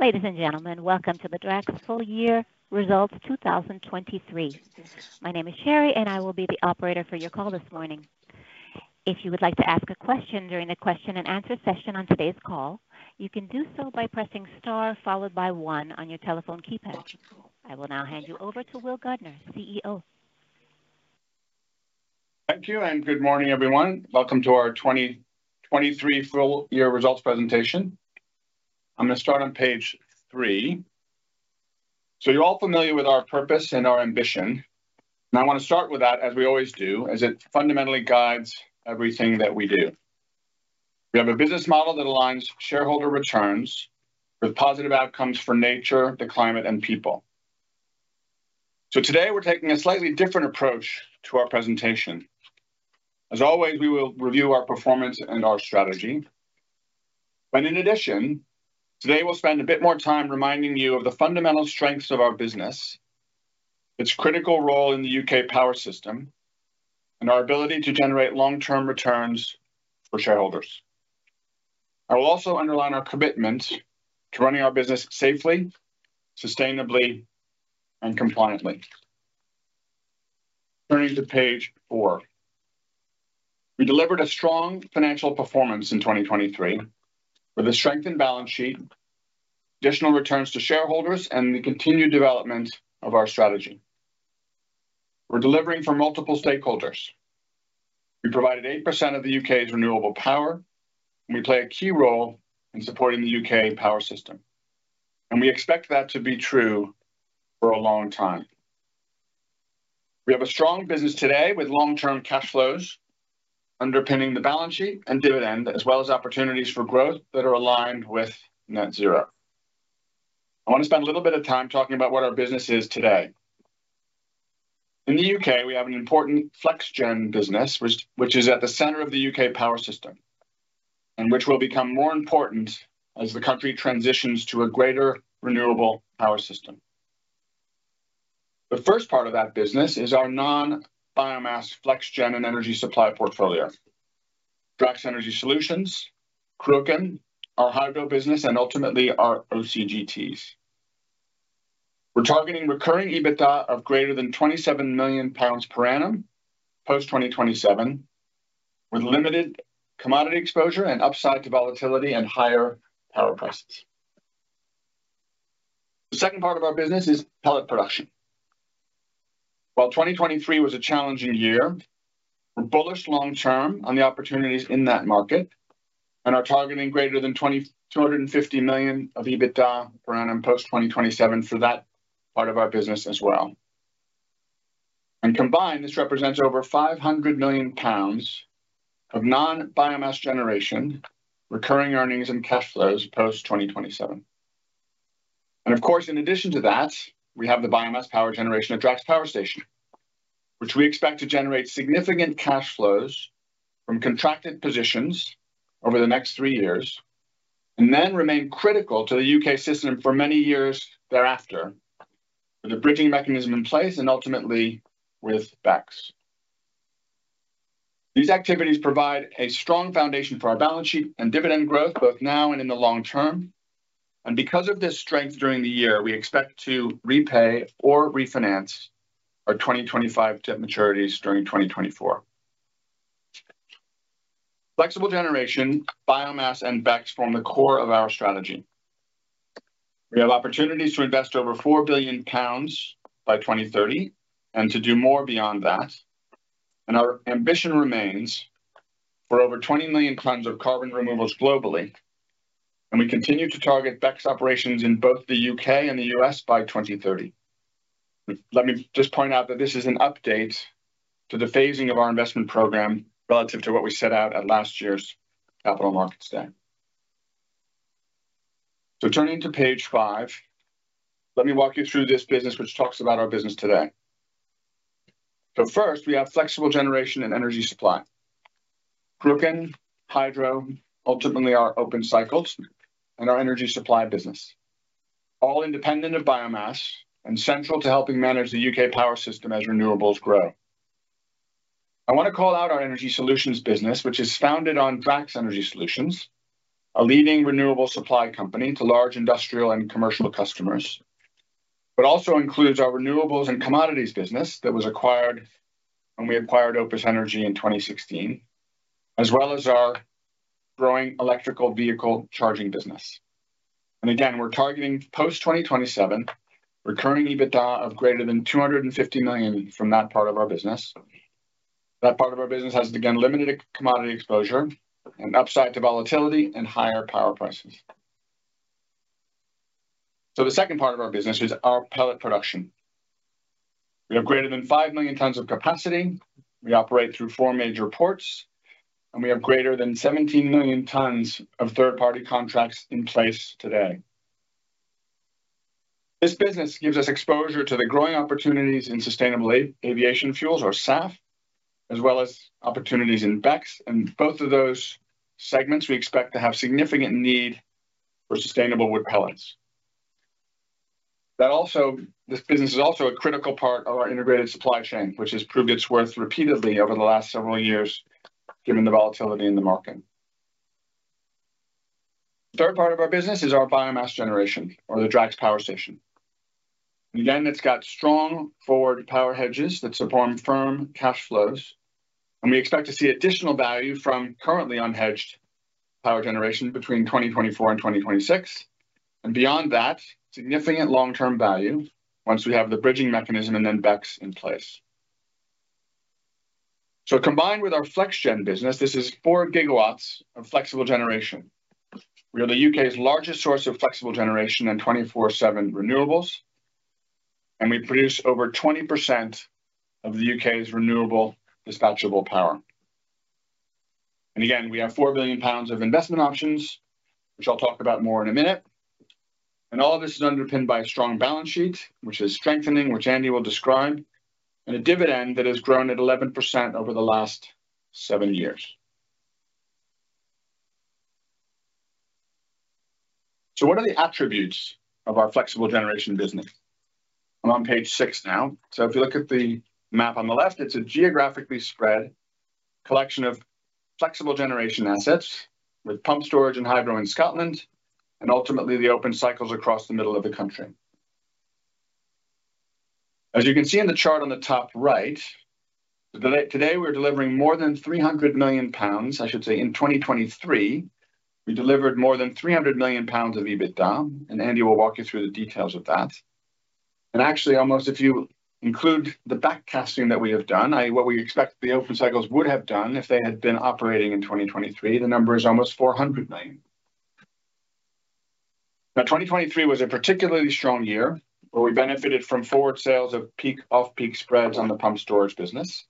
Ladies and gentlemen, welcome to the Drax Full Year Results 2023. My name is Sherry, and I will be the operator for your call this morning. If you would like to ask a question during the question-and-answer session on today's call, you can do so by pressing star followed by one on your telephone keypad. I will now hand you over to Will Gardiner, CEO. Thank you, and good morning, everyone. Welcome to our 2023 Full Year Results presentation. I'm going to start on page three. So you're all familiar with our purpose and our ambition, and I want to start with that, as we always do, as it fundamentally guides everything that we do. We have a business model that aligns shareholder returns with positive outcomes for nature, the climate, and people. So today we're taking a slightly different approach to our presentation. As always, we will review our performance and our strategy. But in addition, today we'll spend a bit more time reminding you of the fundamental strengths of our business, its critical role in the U.K. power system, and our ability to generate long-term returns for shareholders. I will also underline our commitment to running our business safely, sustainably, and compliantly. Turning to page four. We delivered a strong financial performance in 2023 with a strengthened balance sheet, additional returns to shareholders, and the continued development of our strategy. We're delivering for multiple stakeholders. We provided 8% of the U.K.'s renewable power, and we play a key role in supporting the U.K. power system. We expect that to be true for a long time. We have a strong business today with long-term cash flows underpinning the balance sheet and dividend, as well as opportunities for growth that are aligned with net zero. I want to spend a little bit of time talking about what our business is today. In the U.K., we have an important FlexGen business, which is at the center of the U.K. power system and which will become more important as the country transitions to a greater renewable power system. The first part of that business is our non-biomass FlexGen and energy supply portfolio: Drax Energy Solutions, Cruachan, our hydro business, and ultimately our OCGTs. We're targeting recurring EBITDA of greater than 27 million pounds per annum post-2027, with limited commodity exposure and upside to volatility and higher power prices. The second part of our business is pellet production. While 2023 was a challenging year, we're bullish long-term on the opportunities in that market and are targeting greater than 250 million of EBITDA per annum post-2027 for that part of our business as well. Combined, this represents over 500 million pounds of non-biomass generation, recurring earnings, and cash flows post-2027. Of course, in addition to that, we have the biomass power generation at Drax Power Station, which we expect to generate significant cash flows from contracted positions over the next three years and then remain critical to the U.K. system for many years thereafter with a Bridging Mechanism in place and ultimately with BECCS. These activities provide a strong foundation for our balance sheet and dividend growth both now and in the long term. Because of this strength during the year, we expect to repay or refinance our 2025 debt maturities during 2024. Flexible generation, biomass, and BECCS form the core of our strategy. We have opportunities to invest over 4 billion pounds by 2030 and to do more beyond that. And our ambition remains for over 20 million tons of carbon removals globally, and we continue to target BECCS operations in both the U.K. and the U.S. by 2030. Let me just point out that this is an update to the phasing of our investment program relative to what we set out at last year's Capital Markets Day. So turning to page five, let me walk you through this business, which talks about our business today. So first, we have flexible generation and energy supply: Cruachan, hydro, ultimately our open cycles, and our energy supply business, all independent of biomass and central to helping manage the U.K. power system as renewables grow. I want to call out our Energy Solutions business, which is founded on Drax Energy Solutions, a leading renewable supply company to large industrial and commercial customers, but also includes our renewables and commodities business that was acquired when we acquired Opus Energy in 2016, as well as our growing electric vehicle charging business. And again, we're targeting post-2027 recurring EBITDA of greater than 250 million from that part of our business. That part of our business has, again, limited commodity exposure and upside to volatility and higher power prices. So the second part of our business is our pellet production. We have greater than five million tons of capacity. We operate through four major ports, and we have greater than 17 million tons of third-party contracts in place today. This business gives us exposure to the growing opportunities in sustainable aviation fuels, or SAF, as well as opportunities in BECCS. Both of those segments, we expect to have significant need for sustainable wood pellets. This business is also a critical part of our integrated supply chain, which has proved its worth repeatedly over the last several years given the volatility in the market. The third part of our business is our biomass generation, or the Drax Power Station. Again, it's got strong forward power hedges that support firm cash flows. We expect to see additional value from currently unhedged power generation between 2024 and 2026 and beyond that, significant long-term value once we have the Bridging Mechanism and then BECCS in place. Combined with our FlexGen business, this is four gigawatts of flexible generation. We are the UK's largest source of flexible generation and 24/7 renewables, and we produce over 20% of the UK's renewable dispatchable power. Again, we have four billion pounds of investment options, which I'll talk about more in a minute. All of this is underpinned by a strong balance sheet, which is strengthening, which Andy will describe, and a dividend that has grown at 11% over the last seven years. What are the attributes of our flexible generation business? I'm on page six now. If you look at the map on the left, it's a geographically spread collection of flexible generation assets with pumped storage and hydro in Scotland and ultimately the open cycles across the middle of the country. As you can see in the chart on the top right, today we're delivering more than 300 million pounds. I should say, in 2023, we delivered more than 300 million pounds of EBITDA, and Andy will walk you through the details of that. Actually, almost if you include the backcasting that we have done, what we expect the open cycles would have done if they had been operating in 2023, the number is almost 400 million. Now, 2023 was a particularly strong year where we benefited from forward sales of peak-off-peak spreads on the pumped storage business,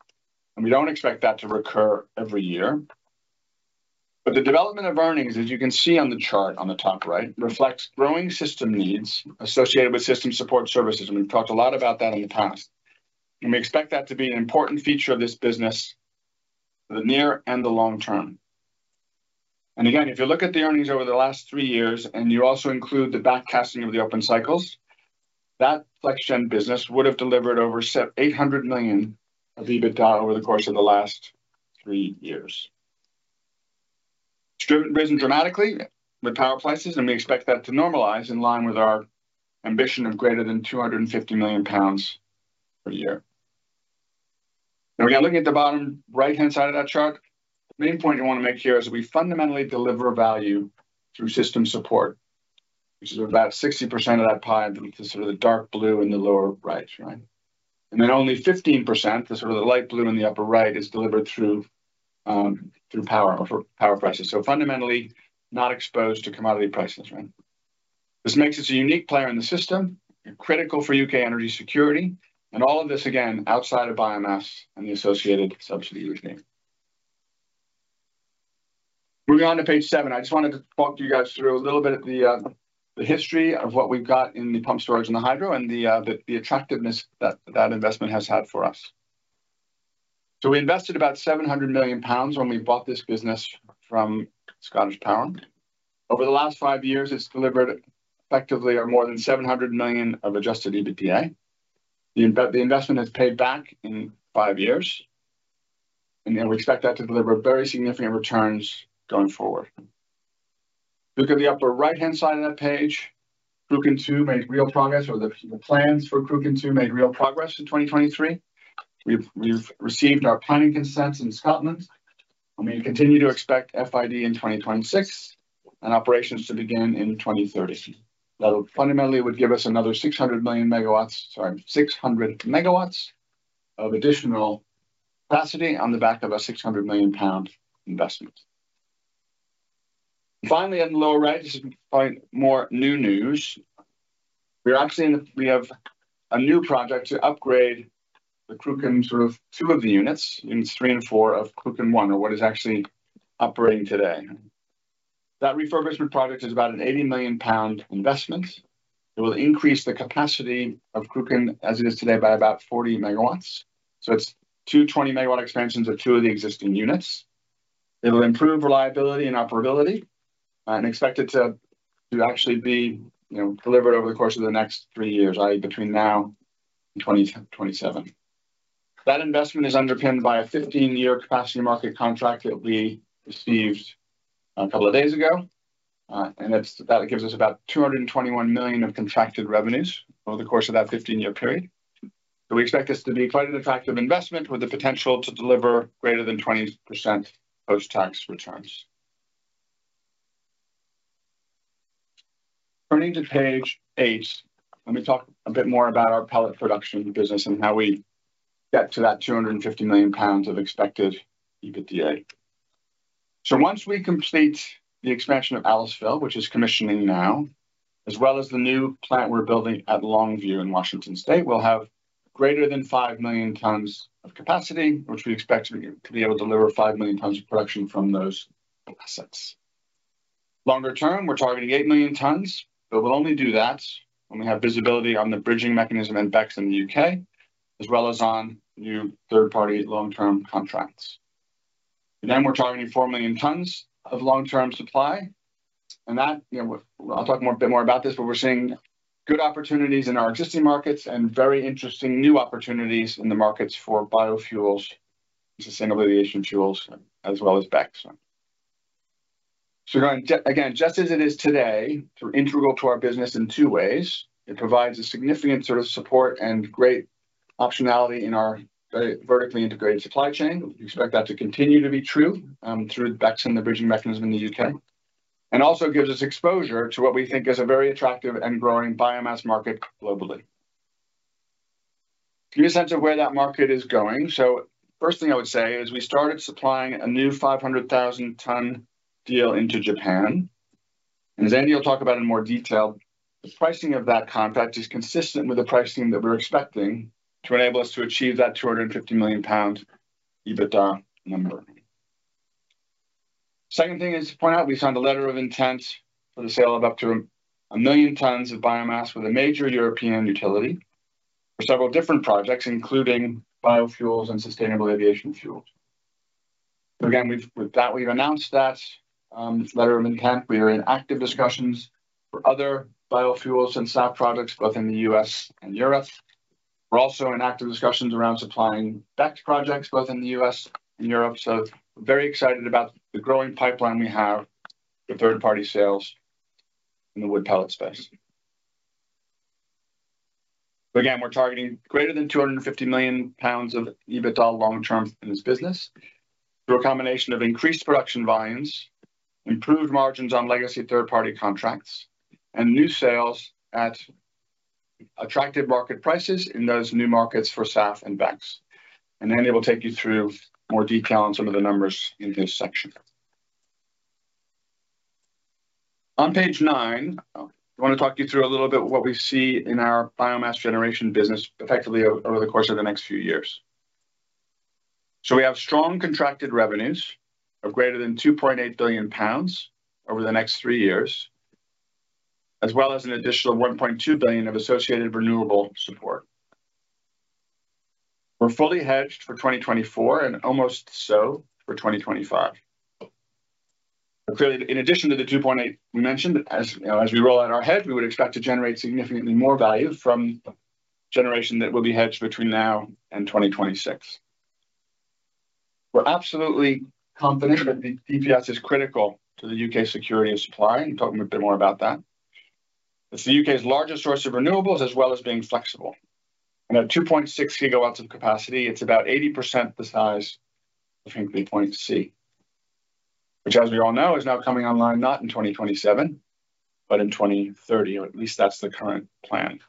and we don't expect that to recur every year. But the development of earnings, as you can see on the chart on the top right, reflects growing system needs associated with system support services, and we've talked a lot about that in the past. And we expect that to be an important feature of this business for the near and the long term. And again, if you look at the earnings over the last three years and you also include the backcasting of the open cycles, that FlexGen business would have delivered over 800 million of EBITDA over the course of the last three years. It's risen dramatically with power prices, and we expect that to normalize in line with our ambition of greater than 250 million pounds per year. And again, looking at the bottom right-hand side of that chart, the main point you want to make here is that we fundamentally deliver value through system support, which is about 60% of that pie, the sort of the dark blue in the lower right, right? And then only 15%, the sort of the light blue in the upper right, is delivered through power prices, so fundamentally not exposed to commodity prices, right? This makes us a unique player in the system, critical for U.K. energy security, and all of this, again, outside of biomass and the associated subsidy regime. Moving on to page seven, I just wanted to walk you guys through a little bit of the history of what we've got in the pumped storage and the hydro and the attractiveness that that investment has had for us. We invested about 700 million pounds when we bought this business from Scottish Power. Over the last five years, it's delivered effectively more than 700 million of adjusted EBITDA. The investment has paid back in five years, and we expect that to deliver very significant returns going forward. Look at the upper right-hand side of that page. Cruachan two made real progress, or the plans for Cruachan two made real progress in 2023. We've received our planning consents in Scotland. We continue to expect FID in 2026 and operations to begin in 2030. That fundamentally would give us another 600 million MW, sorry, 600 MW, of additional capacity on the back of a 600 million pound investment. Finally, on the lower right, this is probably more new news. We have a new project to upgrade the Cruachan sort of two of the units, units three and four of Cruachan one, or what is actually operating today. That refurbishment project is about a 80 million pound investment. It will increase the capacity of Cruachan as it is today by about 40 MW. So it's two 20-MW expansions of two of the existing units. It will improve reliability and operability and expect it to actually be delivered over the course of the next three years, i.e., between now and 2027. That investment is underpinned by a 15-year capacity market contract that we received a couple of days ago, and that gives us about 221 million of contracted revenues over the course of that 15-year period. So we expect this to be quite an attractive investment with the potential to deliver greater than 20% post-tax returns. Turning to page eight, let me talk a bit more about our pellet production business and how we get to that 250 million pounds of expected EBITDA. So once we complete the expansion of Aliceville, which is commissioning now, as well as the new plant we're building at Longview in Washington State, we'll have greater than five million tons of capacity, which we expect to be able to deliver five million tons of production from those assets. Longer term, we're targeting eight million tons, but we'll only do that when we have visibility on the Bridging Mechanism and BECCS in the UK, as well as on new third-party long-term contracts. Then we're targeting four million tons of long-term supply, and I'll talk a bit more about this, but we're seeing good opportunities in our existing markets and very interesting new opportunities in the markets for biofuels and sustainable aviation fuels as well as BECCS. So again, just as it is today, it's integral to our business in two ways. It provides a significant sort of support and great optionality in our vertically integrated supply chain. We expect that to continue to be true through BECCS and the Bridging Mechanism in the UK and also gives us exposure to what we think is a very attractive and growing biomass market globally. To give you a sense of where that market is going, so first thing I would say is we started supplying a new 500,000-ton deal into Japan, and as Andy will talk about in more detail, the pricing of that contract is consistent with the pricing that we're expecting to enable us to achieve that 250 million pound EBITDA number. Second thing is to point out we signed a letter of intent for the sale of up to one million tons of biomass with a major European utility for several different projects, including biofuels and sustainable aviation fuels. So again, with that, we've announced that letter of intent. We are in active discussions for other biofuels and SAF projects both in the U.S. and Europe. We're also in active discussions around supplying BECCS projects both in the U.S. and Europe. We're very excited about the growing pipeline we have for third-party sales in the wood pellet space. Again, we're targeting greater than 250 million pounds of EBITDA long-term in this business through a combination of increased production volumes, improved margins on legacy third-party contracts, and new sales at attractive market prices in those new markets for SAF and BECCS. Andy will take you through more detail on some of the numbers in this section. On page nine, I want to talk you through a little bit of what we see in our biomass generation business effectively over the course of the next few years. We have strong contracted revenues of greater than 2.8 billion pounds over the next three years, as well as an additional 1.2 billion of associated renewable support. We're fully hedged for 2024 and almost so for 2025. Clearly, in addition to the 2.8 we mentioned, as we roll out our hedge, we would expect to generate significantly more value from generation that will be hedged between now and 2026. We're absolutely confident that DPS is critical to the U.K. security of supply. I'm talking a bit more about that. It's the U.K.'s largest source of renewables as well as being flexible. At 2.6 GW of capacity, it's about 80% the size of Hinkley Point C, which, as we all know, is now coming online not in 2027 but in 2030, or at least that's the current plan.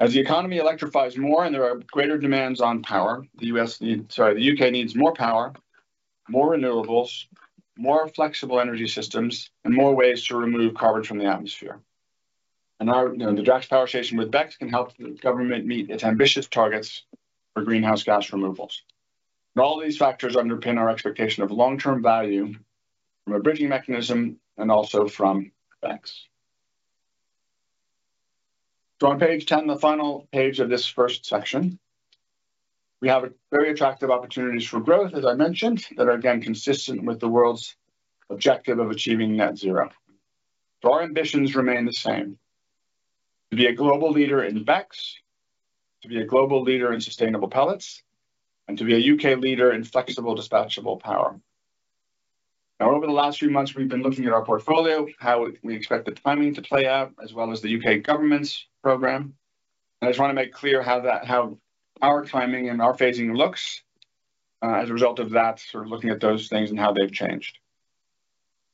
As the economy electrifies more and there are greater demands on power, the U.K. needs more power, more renewables, more flexible energy systems, and more ways to remove carbon from the atmosphere. The Drax Power Station with BECCS can help the government meet its ambitious targets for greenhouse gas removals. All these factors underpin our expectation of long-term value from a bridging mechanism and also from BECCS. On page 10, the final page of this first section, we have very attractive opportunities for growth, as I mentioned, that are, again, consistent with the world's objective of achieving net zero. Our ambitions remain the same: to be a global leader in BECCS, to be a global leader in sustainable pellets, and to be a U.K. leader in flexible dispatchable power. Now, over the last few months, we've been looking at our portfolio, how we expect the timing to play out, as well as the U.K. government's program. I just want to make clear how our timing and our phasing looks as a result of that, sort of looking at those things and how they've changed.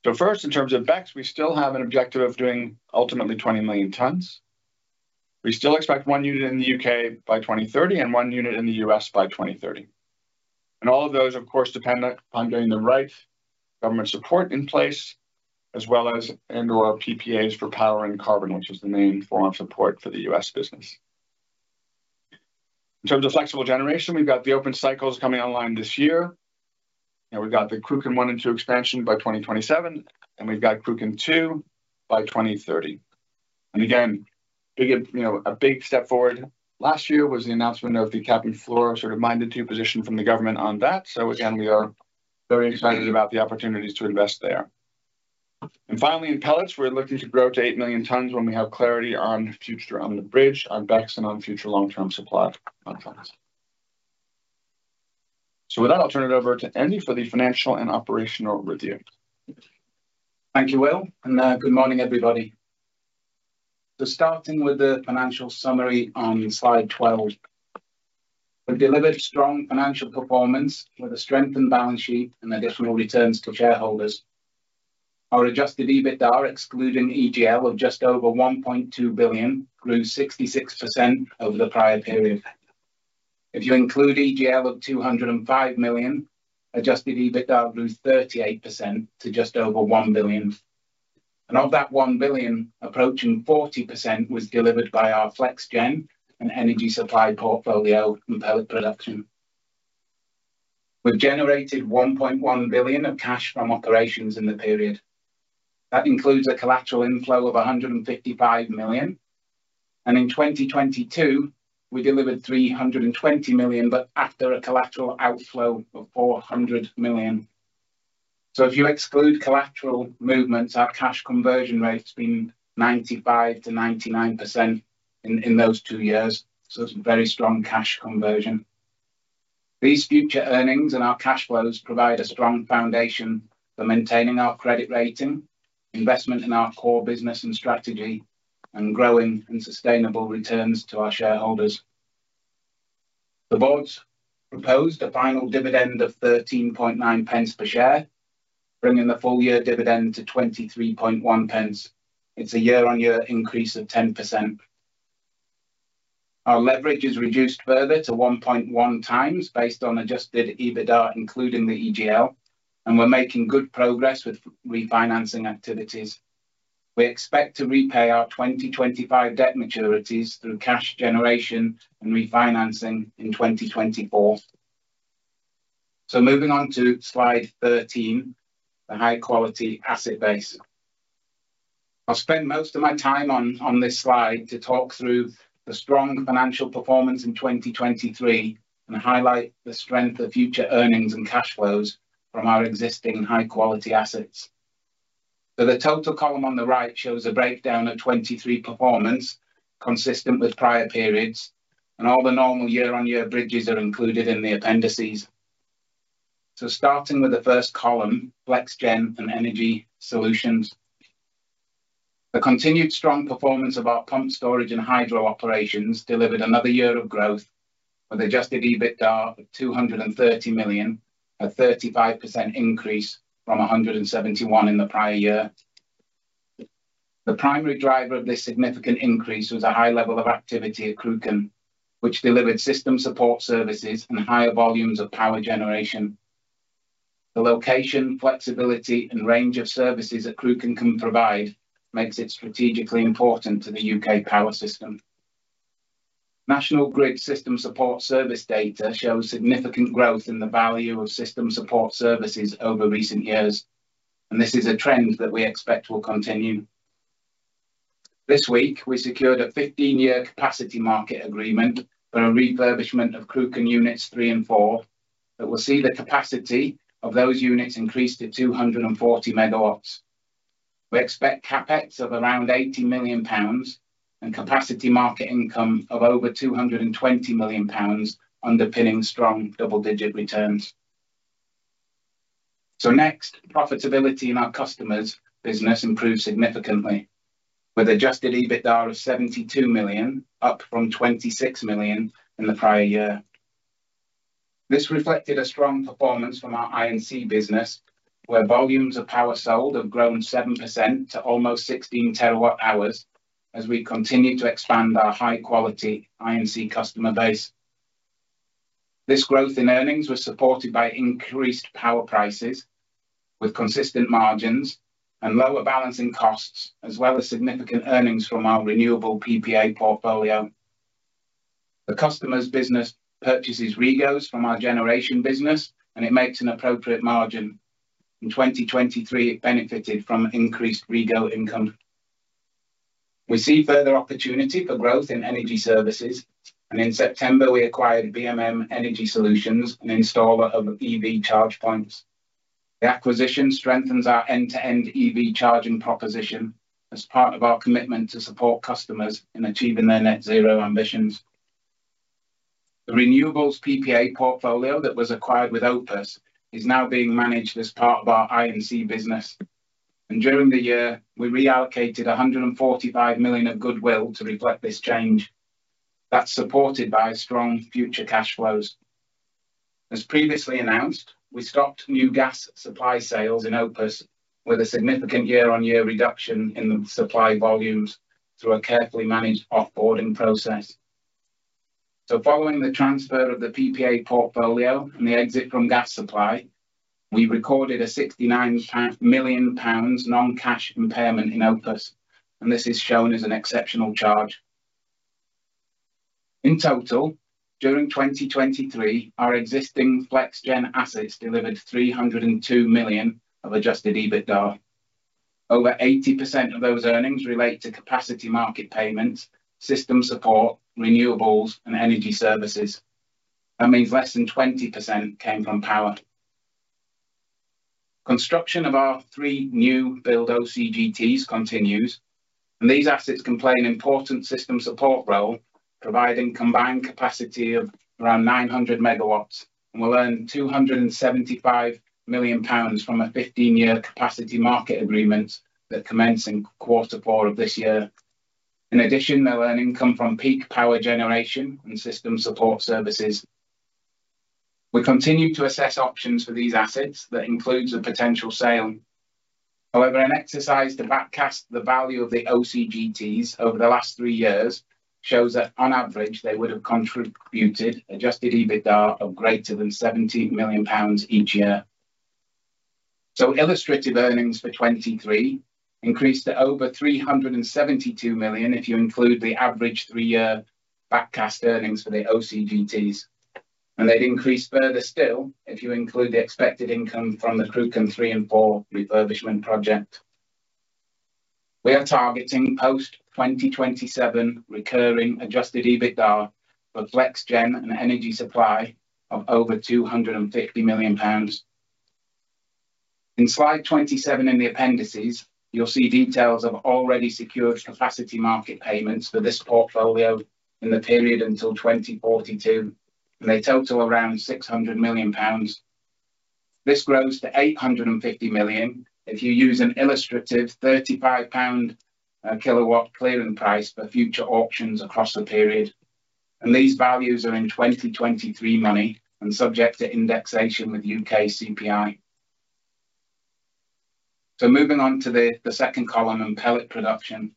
So first, in terms of BECCS, we still have an objective of doing ultimately 20 million tons. We still expect one unit in the UK by 2030 and one unit in the US by 2030. And all of those, of course, depend upon getting the right government support in place as well as and/or PPAs for power and carbon, which is the main form of support for the US business. In terms of flexible generation, we've got the open cycles coming online this year. We've got the Cruachan one and two expansion by 2027, and we've got Cruachan two by 2030. And again, a big step forward last year was the announcement of the Cap and Floor, sort of minded-to position from the government on that. So again, we are very excited about the opportunities to invest there. And finally, in pellets, we're looking to grow to eight million tons when we have clarity on the future on the bridge, on BECCS, and on future long-term supply contracts. So with that, I'll turn it over to Andy for the financial and operational review. Thank you, Will, and good morning, everybody. So starting with the financial summary on slide 12, we've delivered strong financial performance with a strengthened balance sheet and additional returns to shareholders. Our adjusted EBITDA, excluding EGL of just over 1.2 billion, grew 66% over the prior period. If you include EGL of 205 million, adjusted EBITDA grew 38% to just over one billion. Of that one billion, approaching 40% was delivered by our FlexGen and energy supply portfolio and pellet production. We've generated 1.1 billion of cash from operations in the period. That includes a collateral inflow of 155 million. In 2022, we delivered 320 million but after a collateral outflow of 400 million. If you exclude collateral movements, our cash conversion rate's been 95%-99% in those two years, so it's very strong cash conversion. These future earnings and our cash flows provide a strong foundation for maintaining our credit rating, investment in our core business and strategy, and growing and sustainable returns to our shareholders. The board's proposed a final dividend of 0.139 per share, bringing the full-year dividend to 0.231. It's a year-on-year increase of 10%. Our leverage is reduced further to 1.1x based on adjusted EBITDA, including the EGL, and we're making good progress with refinancing activities. We expect to repay our 2025 debt maturities through cash generation and refinancing in 2024. Moving on to slide 13, the high-quality asset base. I'll spend most of my time on this slide to talk through the strong financial performance in 2023 and highlight the strength of future earnings and cash flows from our existing high-quality assets. The total column on the right shows a breakdown of 2023 performance consistent with prior periods, and all the normal year-on-year bridges are included in the appendices. Starting with the first column, FlexGen and Energy Solutions, the continued strong performance of our pumped storage and hydro operations delivered another year of growth with adjusted EBITDA of 230 million, a 35% increase from 171 million in the prior year. The primary driver of this significant increase was a high level of activity at Cruachan, which delivered system support services and higher volumes of power generation. The location, flexibility, and range of services that Cruachan can provide makes it strategically important to the UK power system. National Grid system support services data shows significant growth in the value of system support services over recent years, and this is a trend that we expect will continue. This week, we secured a 15-year Capacity Market agreement for a refurbishment of Cruachan units 3 and 4 that will see the capacity of those units increased to 240 MW. We expect CapEx of around 80 million pounds and Capacity Market income of over 220 million pounds underpinning strong double-digit returns. Next, profitability in our customers' business improved significantly with adjusted EBITDA of 72 million, up from 26 million in the prior year. This reflected a strong performance from our I&C business, where volumes of power sold have grown 7% to almost 16 TWh as we continue to expand our high-quality I&C customer base. This growth in earnings was supported by increased power prices with consistent margins and lower balancing costs, as well as significant earnings from our renewable PPA portfolio. The customer's business purchases REGOs from our generation business, and it makes an appropriate margin. In 2023, it benefited from increased REGO income. We see further opportunity for growth in energy services, and in September, we acquired BMM Energy Solutions, an installer of EV charge points. The acquisition strengthens our end-to-end EV charging proposition as part of our commitment to support customers in achieving their net zero ambitions. The renewables PPA portfolio that was acquired with Opus is now being managed as part of our I&C business, and during the year, we reallocated 145 million of goodwill to reflect this change. That's supported by strong future cash flows. As previously announced, we stopped new gas supply sales in Opus with a significant year-on-year reduction in the supply volumes through a carefully managed offboarding process. Following the transfer of the PPA portfolio and the exit from gas supply, we recorded a 69 million pounds non-cash impairment in Opus, and this is shown as an exceptional charge. In total, during 2023, our existing FlexGen assets delivered 302 million of adjusted EBITDA. Over 80% of those earnings relate to capacity market payments, system support, renewables, and energy services. That means less than 20% came from power. Construction of our 3 new-build OCGTs continues, and these assets can play an important system support role, providing combined capacity of around 900 MW, and will earn 275 million pounds from a 15-year capacity market agreement that commences in quarter four of this year. In addition, they'll earn income from peak power generation and system support services. We continue to assess options for these assets that include the potential sale. However, an exercise to backcast the value of the OCGTs over the last 3 years shows that, on average, they would have contributed adjusted EBITDA of greater than 17 million pounds each year. So illustrative earnings for 2023 increased to over 372 million if you include the average 3-year backcast earnings for the OCGTs, and they'd increase further still if you include the expected income from the Cruachan 3 and 4 refurbishment project. We are targeting post-2027 recurring adjusted EBITDA for FlexGen and energy supply of over 250 million pounds. In slide 27 in the appendices, you'll see details of already secured capacity market payments for this portfolio in the period until 2042, and they total around 600 million pounds. This grows to 850 million if you use an illustrative 35 pound kilowatt clearing price for future auctions across the period, and these values are in 2023 money and subject to indexation with UK CPI. So moving on to the second column and pellet production,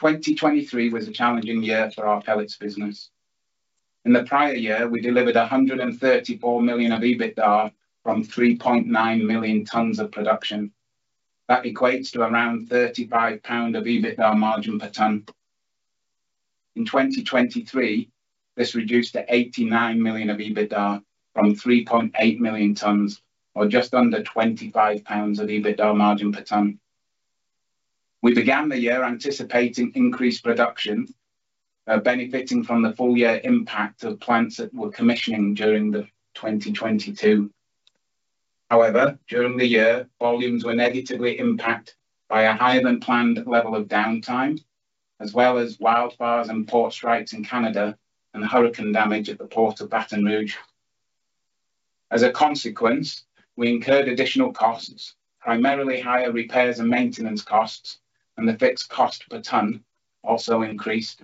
2023 was a challenging year for our pellets business. In the prior year, we delivered 134 million of EBITDA from 3.9 million tonnes of production. That equates to around 35 pound of EBITDA margin per tonne. In 2023, this reduced to 89 million of EBITDA from 3.8 million tonnes, or just under 25 pounds of EBITDA margin per tonne. We began the year anticipating increased production, benefiting from the full-year impact of plants that were commissioning during 2022. However, during the year, volumes were negatively impacted by a higher-than-planned level of downtime, as well as wildfires and port strikes in Canada and hurricane damage at the port of Baton Rouge. As a consequence, we incurred additional costs, primarily higher repairs and maintenance costs, and the fixed cost per tonne also increased.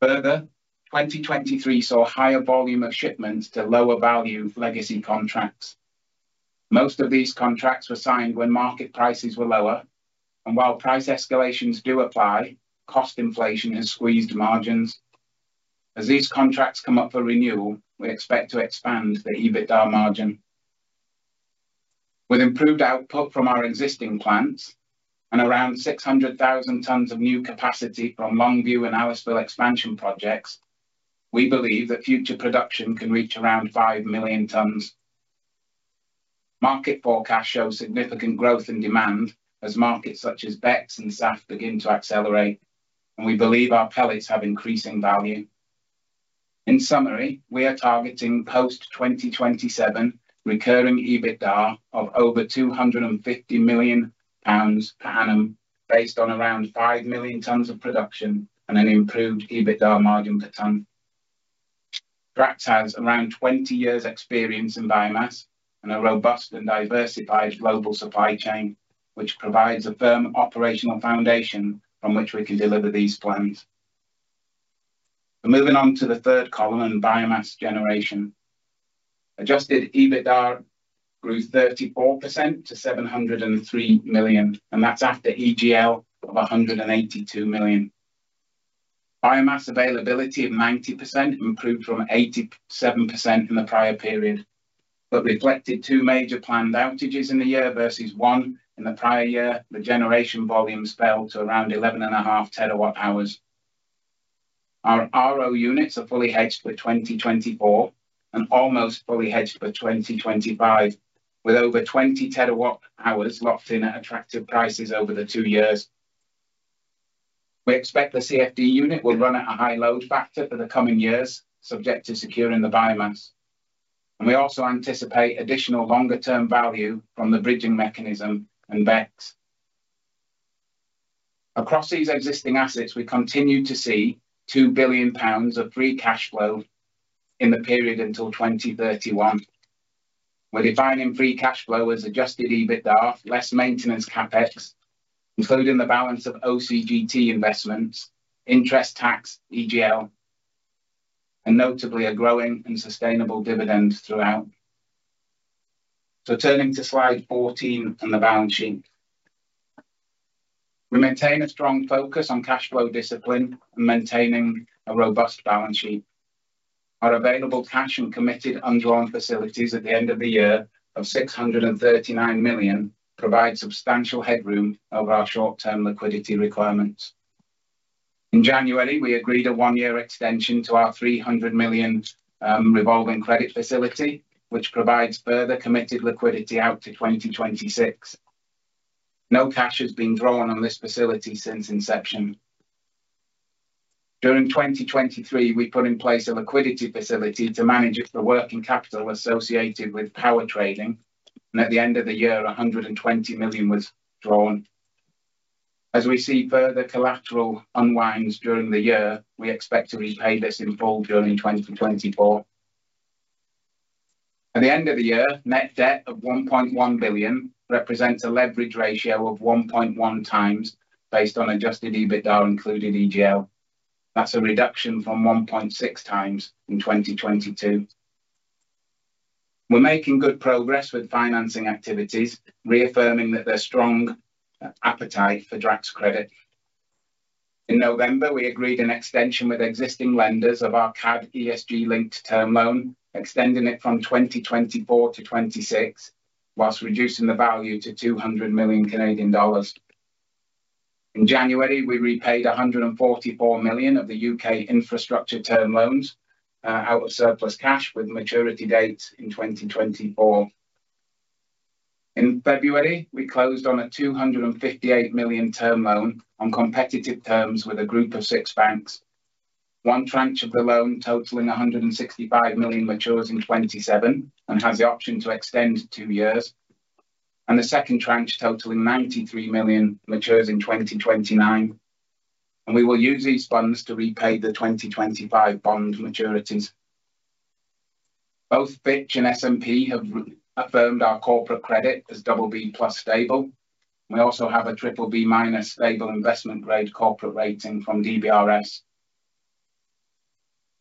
Further, 2023 saw higher volume of shipments to lower-value legacy contracts. Most of these contracts were signed when market prices were lower, and while price escalations do apply, cost inflation has squeezed margins. As these contracts come up for renewal, we expect to expand the EBITDA margin. With improved output from our existing plants and around 600,000 tonnes of new capacity from Longview and Aliceville expansion projects, we believe that future production can reach around 5 million tonnes. Market forecasts show significant growth in demand as markets such as BECCS and SAF begin to accelerate, and we believe our pellets have increasing value. In summary, we are targeting post-2027 recurring EBITDA of over 250 million pounds per annum based on around 5 million tonnes of production and an improved EBITDA margin per tonne. Drax has around 20 years' experience in biomass and a robust and diversified global supply chain, which provides a firm operational foundation from which we can deliver these plans. Moving on to the third column and biomass generation, adjusted EBITDA grew 34% to 703 million, and that's after EGL of 182 million. Biomass availability of 90% improved from 87% in the prior period but reflected two major planned outages in the year versus one in the prior year. The generation volumes fell to around 11.5 TWh. Our RO units are fully hedged for 2024 and almost fully hedged for 2025, with over 20 TWh locked in at attractive prices over the two years. We expect the CFD unit will run at a high load factor for the coming years, subject to securing the biomass, and we also anticipate additional longer-term value from the bridging mechanism and BECCS. Across these existing assets, we continue to see 2 billion pounds of free cash flow in the period until 2031, with defining free cash flow as adjusted EBITDA, less maintenance CapEx, including the balance of OCGT investments, interest tax, EGL, and notably a growing and sustainable dividend throughout. Turning to slide 14 and the balance sheet, we maintain a strong focus on cash flow discipline and maintaining a robust balance sheet. Our available cash and committed undrawn facilities at the end of the year of 639 million provide substantial headroom over our short-term liquidity requirements. In January, we agreed a one-year extension to our 300 million revolving credit facility, which provides further committed liquidity out to 2026. No cash has been drawn on this facility since inception. During 2023, we put in place a liquidity facility to manage the working capital associated with power trading, and at the end of the year, 120 million was drawn. As we see further collateral unwinds during the year, we expect to repay this in full during 2024. At the end of the year, net debt of 1.1 billion represents a leverage ratio of 1.1x based on adjusted EBITDA included EGL. That's a reduction from 1.6x in 2022. We're making good progress with financing activities, reaffirming that there's strong appetite for Drax credit. In November, we agreed an extension with existing lenders of our CAD ESG-linked term loan, extending it from 2024 to 2026 while reducing the value to 200 million Canadian dollars. In January, we repaid 144 million of the UK infrastructure term loans out of surplus cash with maturity dates in 2024. In February, we closed on a 258 million term loan on competitive terms with a group of six banks. One tranche of the loan totaling 165 million matures in 2027 and has the option to extend two years, and the second tranche totaling 93 million matures in 2029, and we will use these funds to repay the 2025 bond maturities. Both Fitch and S&P have affirmed our corporate credit as BB plus stable, and we also have a BBB minus stable investment grade corporate rating from DBRS.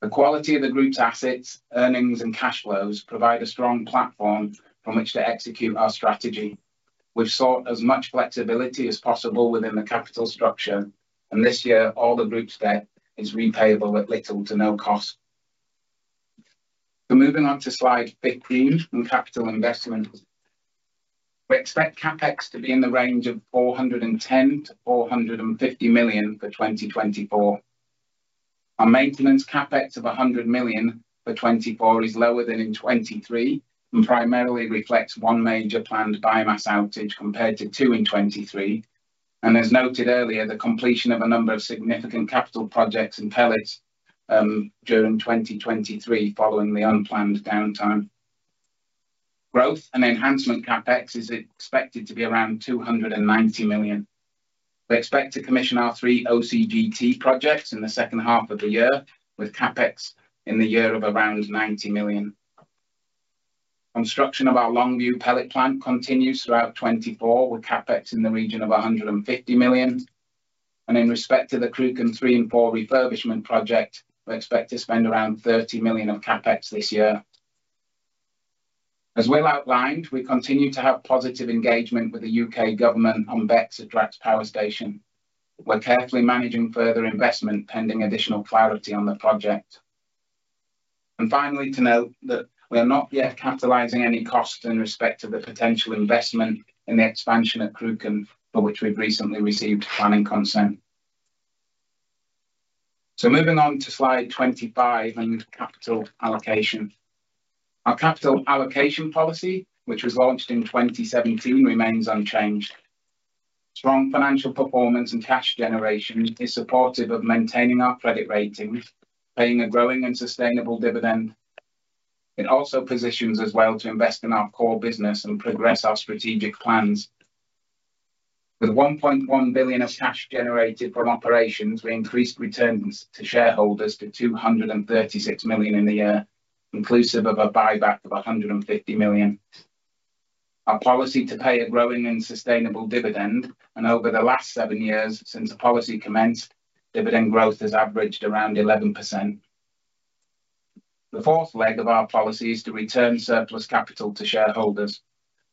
The quality of the group's assets, earnings, and cash flows provide a strong platform from which to execute our strategy. We've sought as much flexibility as possible within the capital structure, and this year, all the group's debt is repayable at little to no cost. So moving on to slide 15 and capital investments, we expect CapEx to be in the range of 410-450 million for 2024. Our maintenance CapEx of 100 million for 2024 is lower than in 2023 and primarily reflects one major planned biomass outage compared to two in 2023, and as noted earlier, the completion of a number of significant capital projects and pellets during 2023 following the unplanned downtime. Growth and enhancement CapEx is expected to be around 290 million. We expect to commission our three OCGT projects in the second half of the year with CapEx in the year of around 90 million. Construction of our Longview pellet plant continues throughout 2024 with CapEx in the region of 150 million, and in respect to the Cruachan 3 and 4 refurbishment project, we expect to spend around 30 million of CapEx this year. As Will outlined, we continue to have positive engagement with the U.K. government on BECCS at Drax Power Station. We're carefully managing further investment pending additional clarity on the project. And finally, to note that we are not yet capitalising any costs in respect to the potential investment in the expansion at Cruachan for which we've recently received planning consent. So moving on to slide 25 and capital allocation, our capital allocation policy, which was launched in 2017, remains unchanged. Strong financial performance and cash generation is supportive of maintaining our credit rating, paying a growing and sustainable dividend. It also positions us well to invest in our core business and progress our strategic plans. With 1.1 billion of cash generated from operations, we increased returns to shareholders to 236 million in the year, inclusive of a buyback of 150 million. Our policy to pay a growing and sustainable dividend, and over the last seven years since the policy commenced, dividend growth has averaged around 11%. The fourth leg of our policy is to return surplus capital to shareholders,